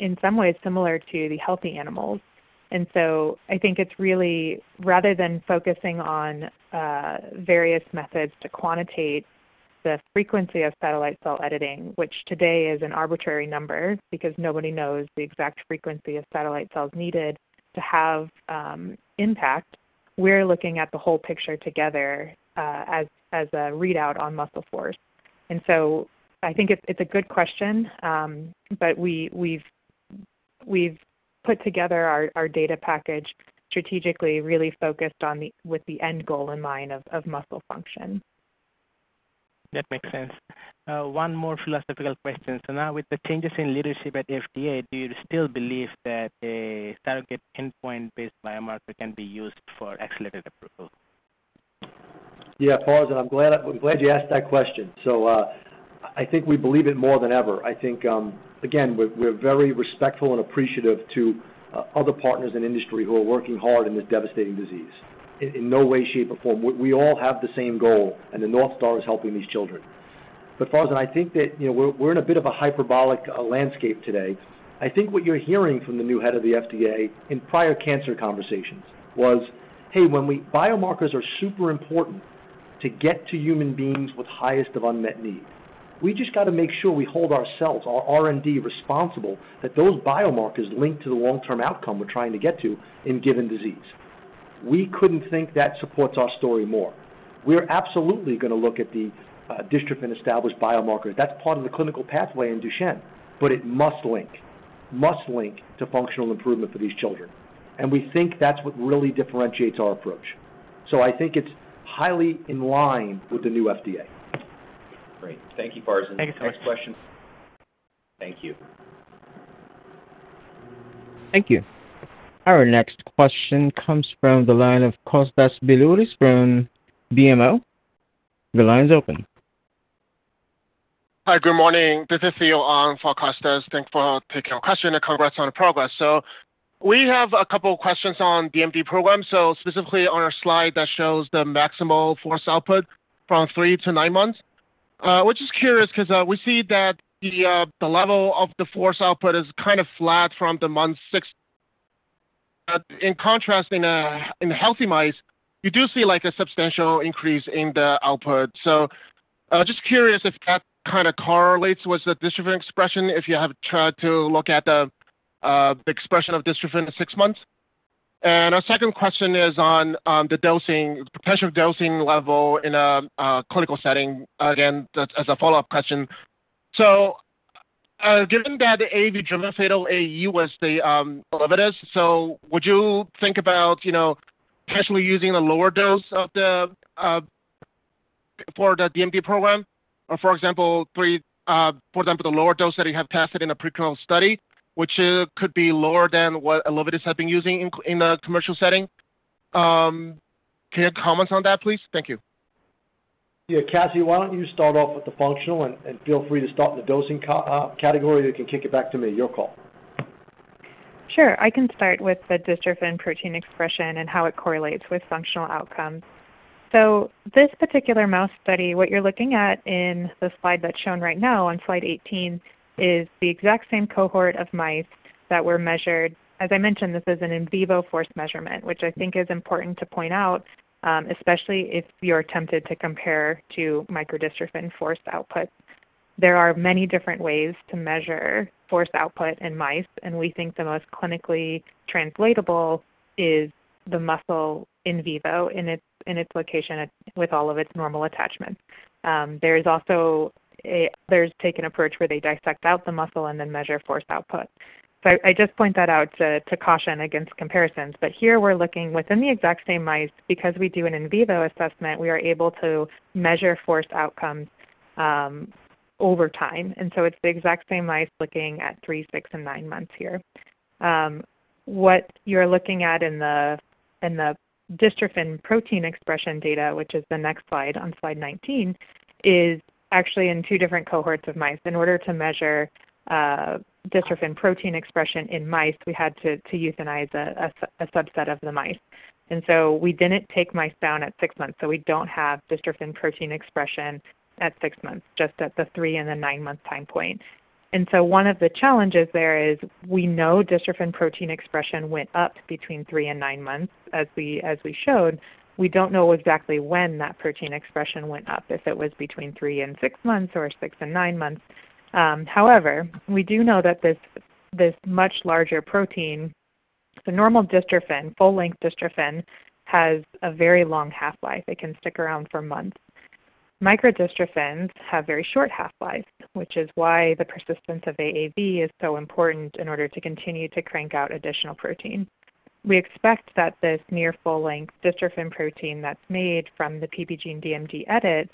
in some ways similar to the healthy animals. I think it's really, rather than focusing on various methods to quantitate the frequency of satellite cell editing, which today is an arbitrary number because nobody knows the exact frequency of satellite cells needed to have impact, we're looking at the whole picture together as a readout on muscle force. I think it's a good question, but we've put together our data package strategically, really focused with the end goal in mind of muscle function. That makes sense. One more philosophical question. Now with the changes in leadership at FDA, do you still believe that a target endpoint-based biomarker can be used for accelerated approval? Yeah, Farzin, I'm glad you asked that question. I think we believe it more than ever. I think, again, we're very respectful and appreciative to other partners in industry who are working hard in this devastating disease in no way, shape, or form. We all have the same goal, and the North Star is helping these children. Farzin, I think that we're in a bit of a hyperbolic landscape today. I think what you're hearing from the new head of the FDA in prior cancer conversations was, "Hey, biomarkers are super important to get to human beings with highest of unmet need. We just got to make sure we hold ourselves, our R&D, responsible that those biomarkers link to the long-term outcome we're trying to get to in given disease." We couldn't think that supports our story more. We're absolutely going to look at the dystrophin-established biomarkers. That's part of the clinical pathway in Duchenne, but it must link, must link to functional improvement for these children. We think that's what really differentiates our approach. I think it's highly in line with the new FDA. Great. Thank you, Farzin. Thank you so much. Thank you. Thank you. Our next question comes from the line of Kostas Biliouris from BMO. The line's open. Hi, good morning. This is Theo Ang for Costas. Thanks for taking our question and congrats on the progress. We have a couple of questions on DMD programs. Specifically on our slide that shows the maximal force output from three to nine months, we're just curious because we see that the level of the force output is kind of flat from month six. In contrast, in healthy mice, you do see a substantial increase in the output. Just curious if that kind of correlates with the dystrophin expression, if you have tried to look at the expression of dystrophin at six months. Our second question is on the potential dosing level in a clinical setting. Again, that's as a follow-up question. Given that the AAV drug fatal AU was the elevators, would you think about potentially using a lower dose for the DMD program? Or, for example, the lower dose that you have tested in a preclinical study, which could be lower than what elevators have been using in the commercial setting. Can you have comments on that, please? Thank you. Yeah, Cassie, why do not you start off with the functional and feel free to start in the dosing category. You can kick it back to me. Your call. Sure. I can start with the dystrophin protein expression and how it correlates with functional outcomes. This particular mouse study, what you are looking at in the slide that is shown right now on slide 18 is the exact same cohort of mice that were measured. As I mentioned, this is an in vivo force measurement, which I think is important to point out, especially if you are tempted to compare to microdystrophin force output. There are many different ways to measure force output in mice, and we think the most clinically translatable is the muscle in vivo in its location with all of its normal attachments. There are also others who take an approach where they dissect out the muscle and then measure force output. I just point that out to caution against comparisons. Here we are looking within the exact same mice. Because we do an in vivo assessment, we are able to measure force outcomes over time. It is the exact same mice looking at three, six, and nine months here. What you are looking at in the dystrophin protein expression data, which is the next slide on slide 19, is actually in two different cohorts of mice. In order to measure dystrophin protein expression in mice, we had to euthanize a subset of the mice. We did not take mice down at six months. We do not have dystrophin protein expression at six months, just at the three and the nine-month time point. One of the challenges there is we know dystrophin protein expression went up between three and nine months, as we showed. We do not know exactly when that protein expression went up, if it was between three and six months or six and nine months. However, we do know that this much larger protein, the normal dystrophin, full-length dystrophin, has a very long half-life. It can stick around for months. Microdystrophins have very short half-lives, which is why the persistence of AAV is so important in order to continue to crank out additional protein. We expect that this near full-length dystrophin protein that is made from the PBGENE-DMD edit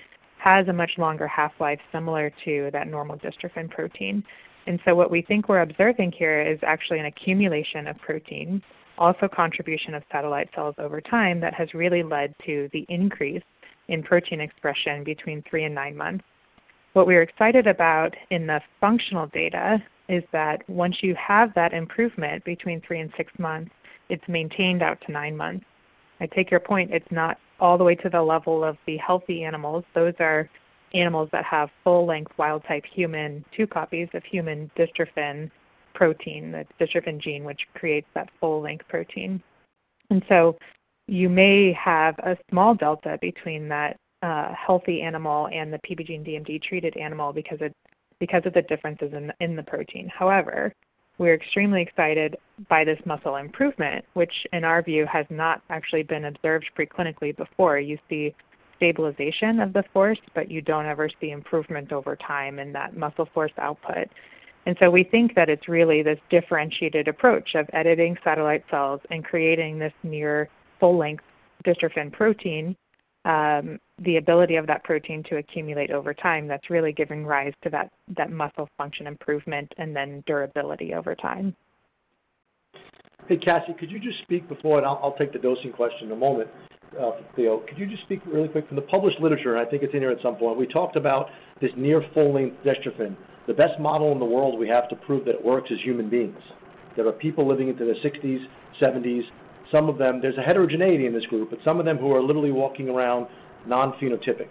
has a much longer half-life similar to that normal dystrophin protein. What we think we're observing here is actually an accumulation of protein, also contribution of satellite cells over time that has really led to the increase in protein expression between three and nine months. What we're excited about in the functional data is that once you have that improvement between three and six months, it's maintained out to nine months. I take your point. It's not all the way to the level of the healthy animals. Those are animals that have full-length wild-type human, two copies of human dystrophin protein, the dystrophin gene, which creates that full-length protein. You may have a small delta between that healthy animal and the PBGENE-DMD treated animal because of the differences in the protein. However, we're extremely excited by this muscle improvement, which in our view has not actually been observed preclinically before. You see stabilization of the force, but you do not ever see improvement over time in that muscle force output. We think that it is really this differentiated approach of editing satellite cells and creating this near full-length dystrophin protein, the ability of that protein to accumulate over time that is really giving rise to that muscle function improvement and then durability over time. Hey, Cassie, could you just speak before I will take the dosing question in a moment, Theo? Could you just speak really quick from the published literature? I think it is in here at some point. We talked about this near full-length dystrophin. The best model in the world we have to prove that it works is human beings. There are people living into their sixties, seventies. There is a heterogeneity in this group, but some of them who are literally walking around non-phenotypic.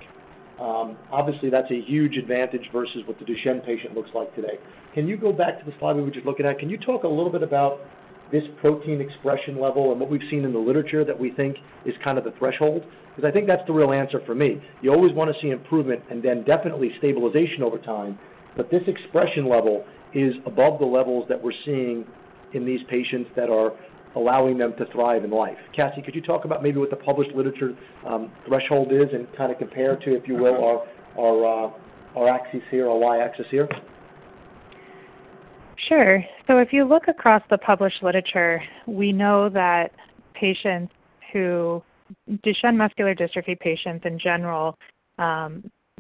Obviously, that's a huge advantage versus what the Duchenne patient looks like today. Can you go back to the slide we were just looking at? Can you talk a little bit about this protein expression level and what we've seen in the literature that we think is kind of the threshold? Because I think that's the real answer for me. You always want to see improvement and then definitely stabilization over time, but this expression level is above the levels that we're seeing in these patients that are allowing them to thrive in life. Cassie, could you talk about maybe what the published literature threshold is and kind of compare it to, if you will, our axis here, our Y axis here? Sure. If you look across the published literature, we know that Duchenne muscular dystrophy patients in general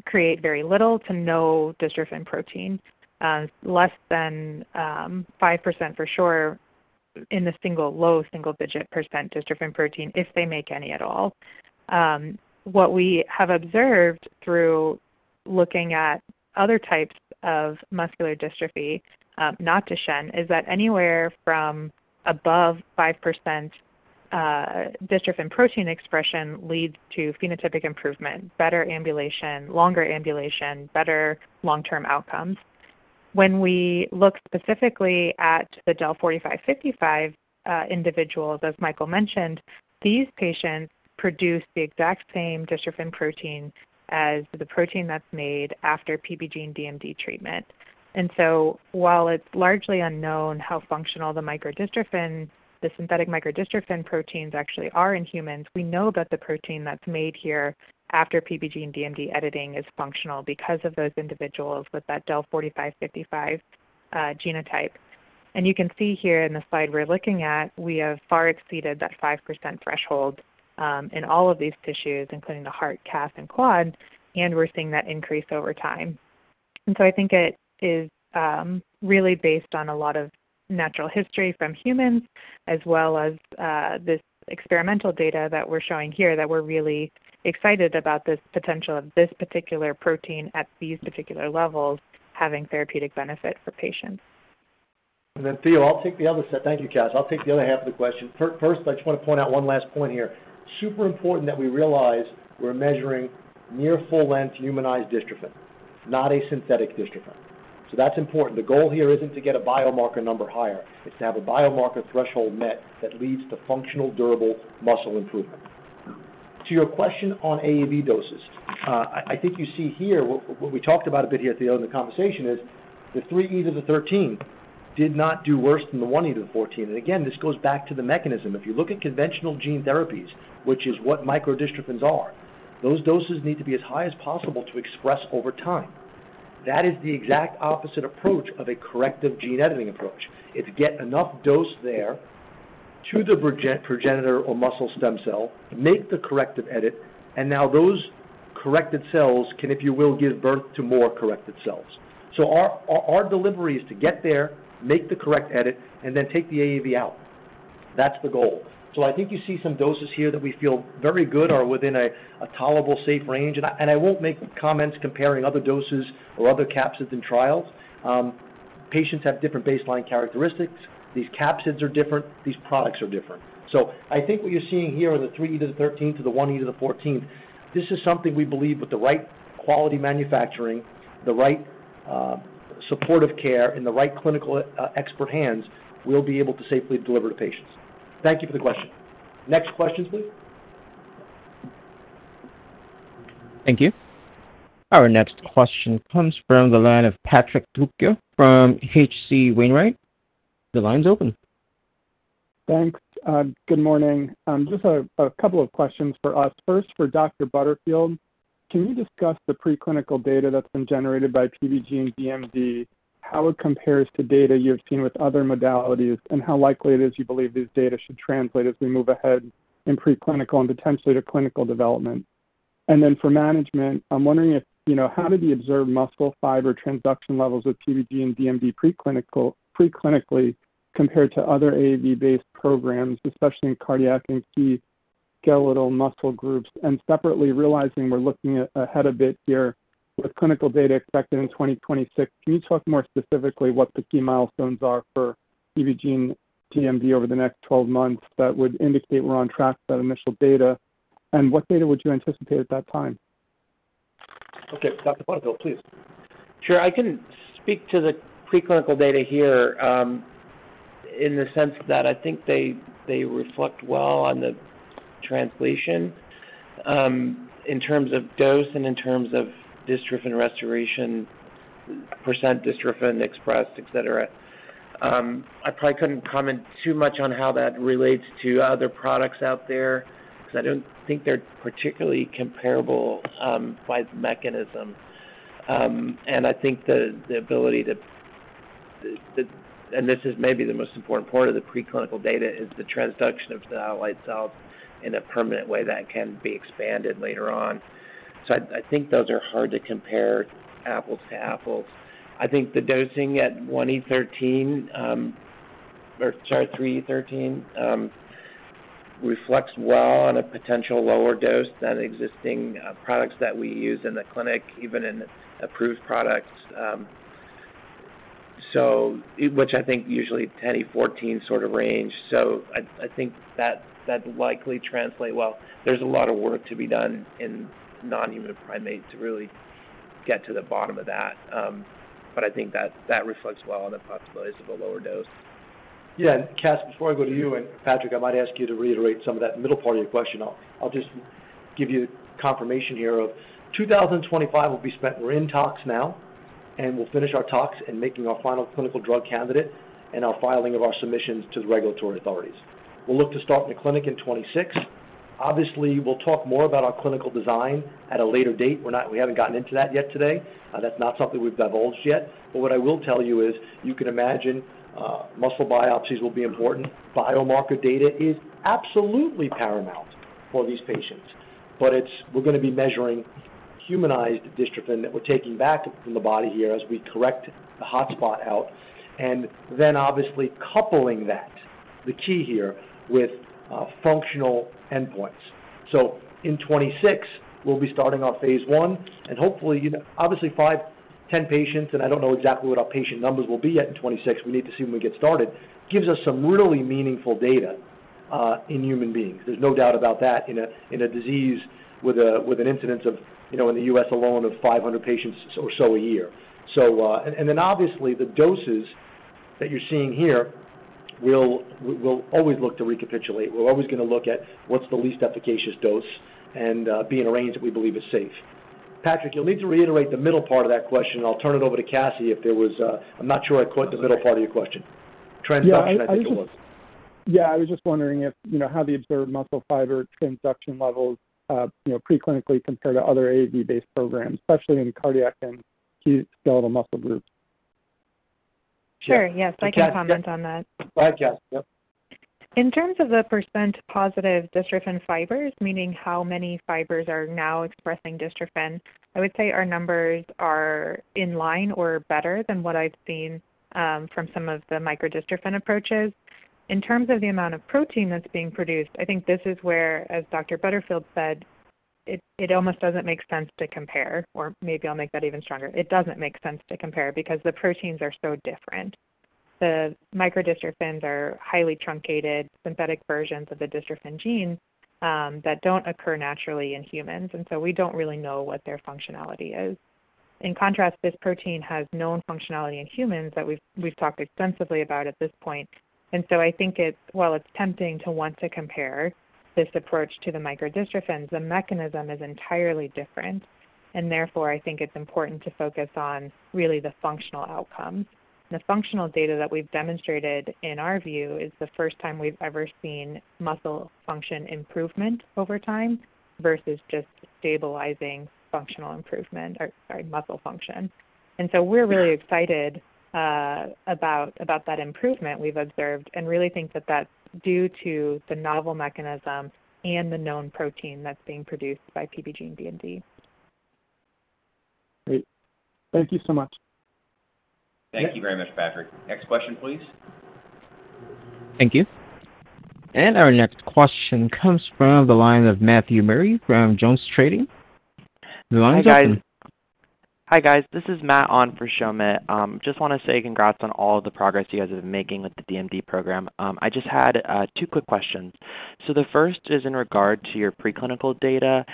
create very little to no dystrophin protein, less than 5% for sure, in the low single-digit percent dystrophin protein if they make any at all. What we have observed through looking at other types of muscular dystrophy, not Duchenne, is that anywhere from above 5% dystrophin protein expression leads to phenotypic improvement, better ambulation, longer ambulation, better long-term outcomes. When we look specifically at the DEL4555 individuals, as Michael mentioned, these patients produce the exact same dystrophin protein as the protein that's made after PBGENE-DMD treatment. While it's largely unknown how functional the synthetic microdystrophin proteins actually are in humans, we know that the protein that's made here after PBGENE-DMD editing is functional because of those individuals with that DEL4555 genotype. You can see here in the slide we're looking at, we have far exceeded that 5% threshold in all of these tissues, including the heart, calf, and quad, and we're seeing that increase over time. I think it is really based on a lot of natural history from humans as well as this experimental data that we're showing here that we're really excited about this potential of this particular protein at these particular levels having therapeutic benefit for patients. Theo, I'll take the other set. Thank you, Cass. I'll take the other half of the question. First, I just want to point out one last point here. Super important that we realize we're measuring near full-length humanized dystrophin, not a synthetic dystrophin. That's important. The goal here isn't to get a biomarker number higher. It's to have a biomarker threshold met that leads to functional, durable muscle improvement. To your question on AAV doses, I think you see here what we talked about a bit here at the end of the conversation is the three E's of the 13 did not do worse than the one E of the 14. This goes back to the mechanism. If you look at conventional gene therapies, which is what microdystrophins are, those doses need to be as high as possible to express over time. That is the exact opposite approach of a corrective gene editing approach. It's get enough dose there to the progenitor or muscle stem cell, make the corrective edit, and now those corrected cells can, if you will, give birth to more corrected cells. Our delivery is to get there, make the correct edit, and then take the AAV out. That's the goal. I think you see some doses here that we feel very good are within a tolerable, safe range. I won't make comments comparing other doses or other capsids and trials. Patients have different baseline characteristics. These capsids are different. These products are different. I think what you're seeing here are the three E to the 13 to the one E to the 14. This is something we believe with the right quality manufacturing, the right supportive care, and the right clinical expert hands will be able to safely deliver to patients. Thank you for the question. Next questions, please. Thank you. Our next question comes from the line of Patrick Trucchio from H.C. Wainwright. The line's open. Thanks. Good morning. Just a couple of questions for us. First, for Dr. Butterfield, can you discuss the preclinical data that's been generated by PBGENE-DMD, how it compares to data you've seen with other modalities, and how likely it is you believe these data should translate as we move ahead in preclinical and potentially to clinical development? For management, I'm wondering how do the observed muscle fiber transduction levels with PBGENE-DMD preclinically compare to other AAV-based programs, especially in cardiac and skeletal muscle groups? Separately, realizing we're looking ahead a bit here with clinical data expected in 2026, can you talk more specifically what the key milestones are for PBGENE-DMD over the next 12 months that would indicate we're on track with that initial data? What data would you anticipate at that time? Okay. Dr. Butterfield, please. Sure. I can speak to the preclinical data here in the sense that I think they reflect well on the translation in terms of dose and in terms of dystrophin restoration percent, dystrophin expressed, etc. I probably couldn't comment too much on how that relates to other products out there because I don't think they're particularly comparable by mechanism. I think the ability to—and this is maybe the most important part of the preclinical data—is the transduction of satellite cells in a permanent way that can be expanded later on. I think those are hard to compare apples to apples. I think the dosing at one E13 or sorry, three E13 reflects well on a potential lower dose than existing products that we use in the clinic, even in approved products, which I think usually 10 E14 sort of range. I think that that likely translates well. There's a lot of work to be done in non-human primates to really get to the bottom of that. I think that reflects well on the possibilities of a lower dose. Yeah. Cass, before I go to you and Patrick, I might ask you to reiterate some of that middle part of your question. I'll just give you confirmation here of 2025 will be spent. We're in talks now, and we'll finish our talks and making our final clinical drug candidate and our filing of our submissions to the regulatory authorities. We'll look to start in the clinic in 2026. Obviously, we'll talk more about our clinical design at a later date. We haven't gotten into that yet today. That's not something we've divulged yet. What I will tell you is you can imagine muscle biopsies will be important. Biomarker data is absolutely paramount for these patients. We're going to be measuring humanized dystrophin that we're taking back from the body here as we correct the hotspot out. Obviously, coupling that, the key here, with functional endpoints. In 2026, we'll be starting our phase I. Obviously, 5-10 patients—and I don't know exactly what our patient numbers will be yet in 2026. We need to see when we get started—gives us some really meaningful data in human beings. There's no doubt about that in a disease with an incidence, in the U.S. alone, of 500 patients or so a year. Obviously, the doses that you're seeing here we'll always look to recapitulate. We're always going to look at what's the least efficacious dose and be in a range that we believe is safe. Patrick, you'll need to reiterate the middle part of that question. I'll turn it over to Cassie if there was—I'm not sure I caught the middle part of your question. Transduction, I think it was. Yeah. I was just wondering how the observed muscle fiber transduction levels preclinically compare to other AAV-based programs, especially in cardiac and skeletal muscle groups. Sure. Yes. I can comment on that. Yeah. In terms of the percent positive dystrophin fibers, meaning how many fibers are now expressing dystrophin, I would say our numbers are in line or better than what I've seen from some of the microdystrophin approaches. In terms of the amount of protein that's being produced, I think this is where, as Dr. Butterfield said, it almost doesn't make sense to compare—or maybe I'll make that even stronger. It doesn't make sense to compare because the proteins are so different. The microdystrophins are highly truncated synthetic versions of the dystrophin gene that do not occur naturally in humans. We do not really know what their functionality is. In contrast, this protein has known functionality in humans that we have talked extensively about at this point. I think while it is tempting to want to compare this approach to the microdystrophins, the mechanism is entirely different. Therefore, I think it is important to focus on really the functional outcomes. The functional data that we have demonstrated in our view is the first time we have ever seen muscle function improvement over time versus just stabilizing muscle function. We are really excited about that improvement we have observed and really think that is due to the novel mechanism and the known protein that is being produced by PBGENE-DMD. Great. Thank you so much. Thank you very much, Patrick. Next question, please. Thank you. Our next question comes from the line of Matthew Murray from Jones Trading. The line's open. Hi, guys. This is Matt on for Soumit. Just want to say congrats on all of the progress you guys have been making with the DMD program. I just had two quick questions. The first is in regard to your preclinical data.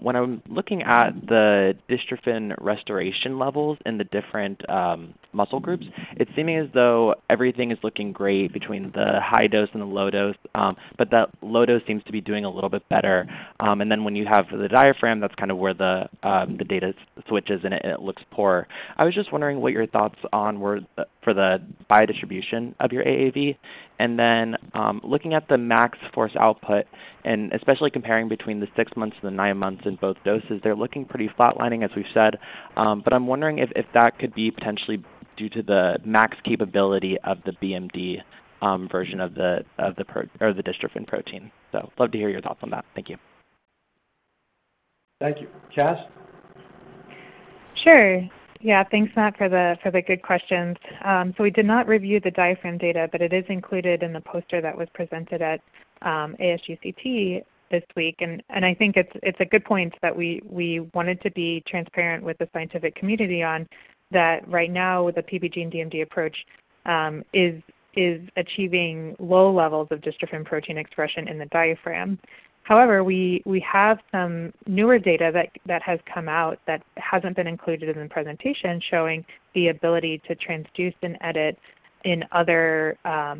When I'm looking at the dystrophin restoration levels in the different muscle groups, it's seeming as though everything is looking great between the high dose and the low dose, but that low dose seems to be doing a little bit better. Then when you have the diaphragm, that's kind of where the data switches and it looks poor. I was just wondering what your thoughts on were for the biodistribution of your AAV. Then looking at the max force output and especially comparing between the six months and the nine months in both doses, they're looking pretty flatlining, as we've said. I'm wondering if that could be potentially due to the max capability of the BMD version of the dystrophin protein. I'd love to hear your thoughts on that. Thank you. Thank you. Cass? Sure. Yeah. Thanks, Matt, for the good questions. We did not review the diaphragm data, but it is included in the poster that was presented at ASGCT this week. I think it's a good point that we wanted to be transparent with the scientific community on that right now, with the PBGENE-DMD approach, is achieving low levels of dystrophin protein expression in the diaphragm. However, we have some newer data that has come out that has not been included in the presentation showing the ability to transduce and edit in other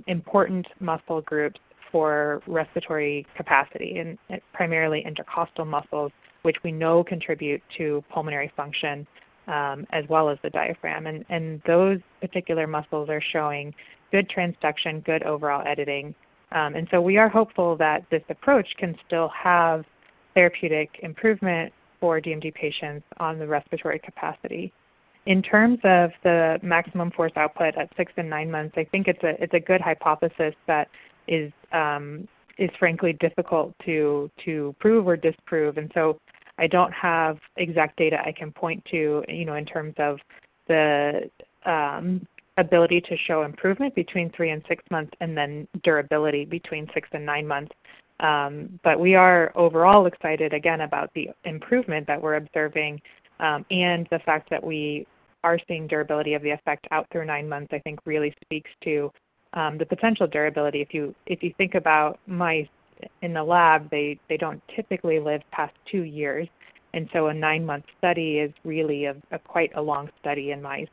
important muscle groups for respiratory capacity, primarily intercostal muscles, which we know contribute to pulmonary function as well as the diaphragm. Those particular muscles are showing good transduction, good overall editing. We are hopeful that this approach can still have therapeutic improvement for DMD patients on the respiratory capacity. In terms of the maximum force output at six and nine months, I think it is a good hypothesis that is, frankly, difficult to prove or disprove. I do not have exact data I can point to in terms of the ability to show improvement between three and six months and then durability between six and nine months. We are overall excited, again, about the improvement that we are observing. The fact that we are seeing durability of the effect out through nine months, I think, really speaks to the potential durability. If you think about mice in the lab, they do not typically live past two years. A nine-month study is really quite a long study in mice.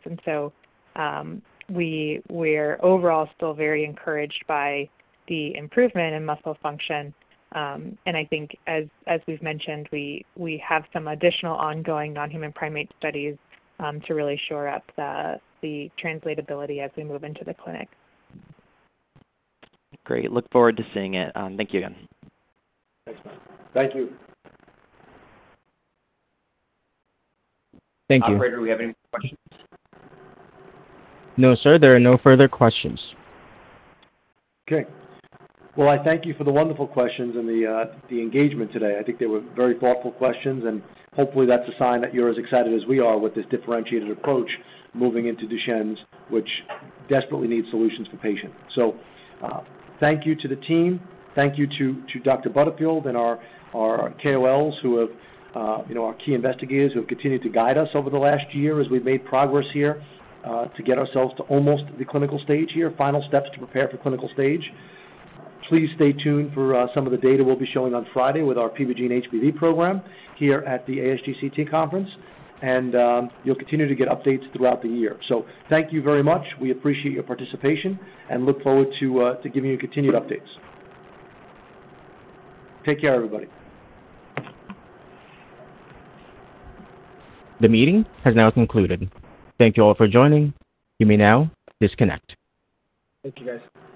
We are overall still very encouraged by the improvement in muscle function. I think, as we have mentioned, we have some additional ongoing non-human primate studies to really shore up the translatability as we move into the clinic. Great. Look forward to seeing it. Thank you again. Excellent. Thank you. Thank you. Operator, do we have any more questions? No, sir. There are no further questions. I thank you for the wonderful questions and the engagement today. I think they were very thoughtful questions. Hopefully, that's a sign that you're as excited as we are with this differentiated approach moving into Duchenne's, which desperately needs solutions for patients. Thank you to the team. Thank you to Dr. Butterfield and our KOLs, who are our key investigators who have continued to guide us over the last year as we've made progress here to get ourselves to almost the clinical stage here, final steps to prepare for clinical stage. Please stay tuned for some of the data we'll be showing on Friday with our PBGENE-HBV program here at the ASGCT conference. You'll continue to get updates throughout the year. Thank you very much. We appreciate your participation and look forward to giving you continued updates. Take care, everybody. The meeting has now concluded. Thank you all for joining. You may now disconnect. Thank you, guys.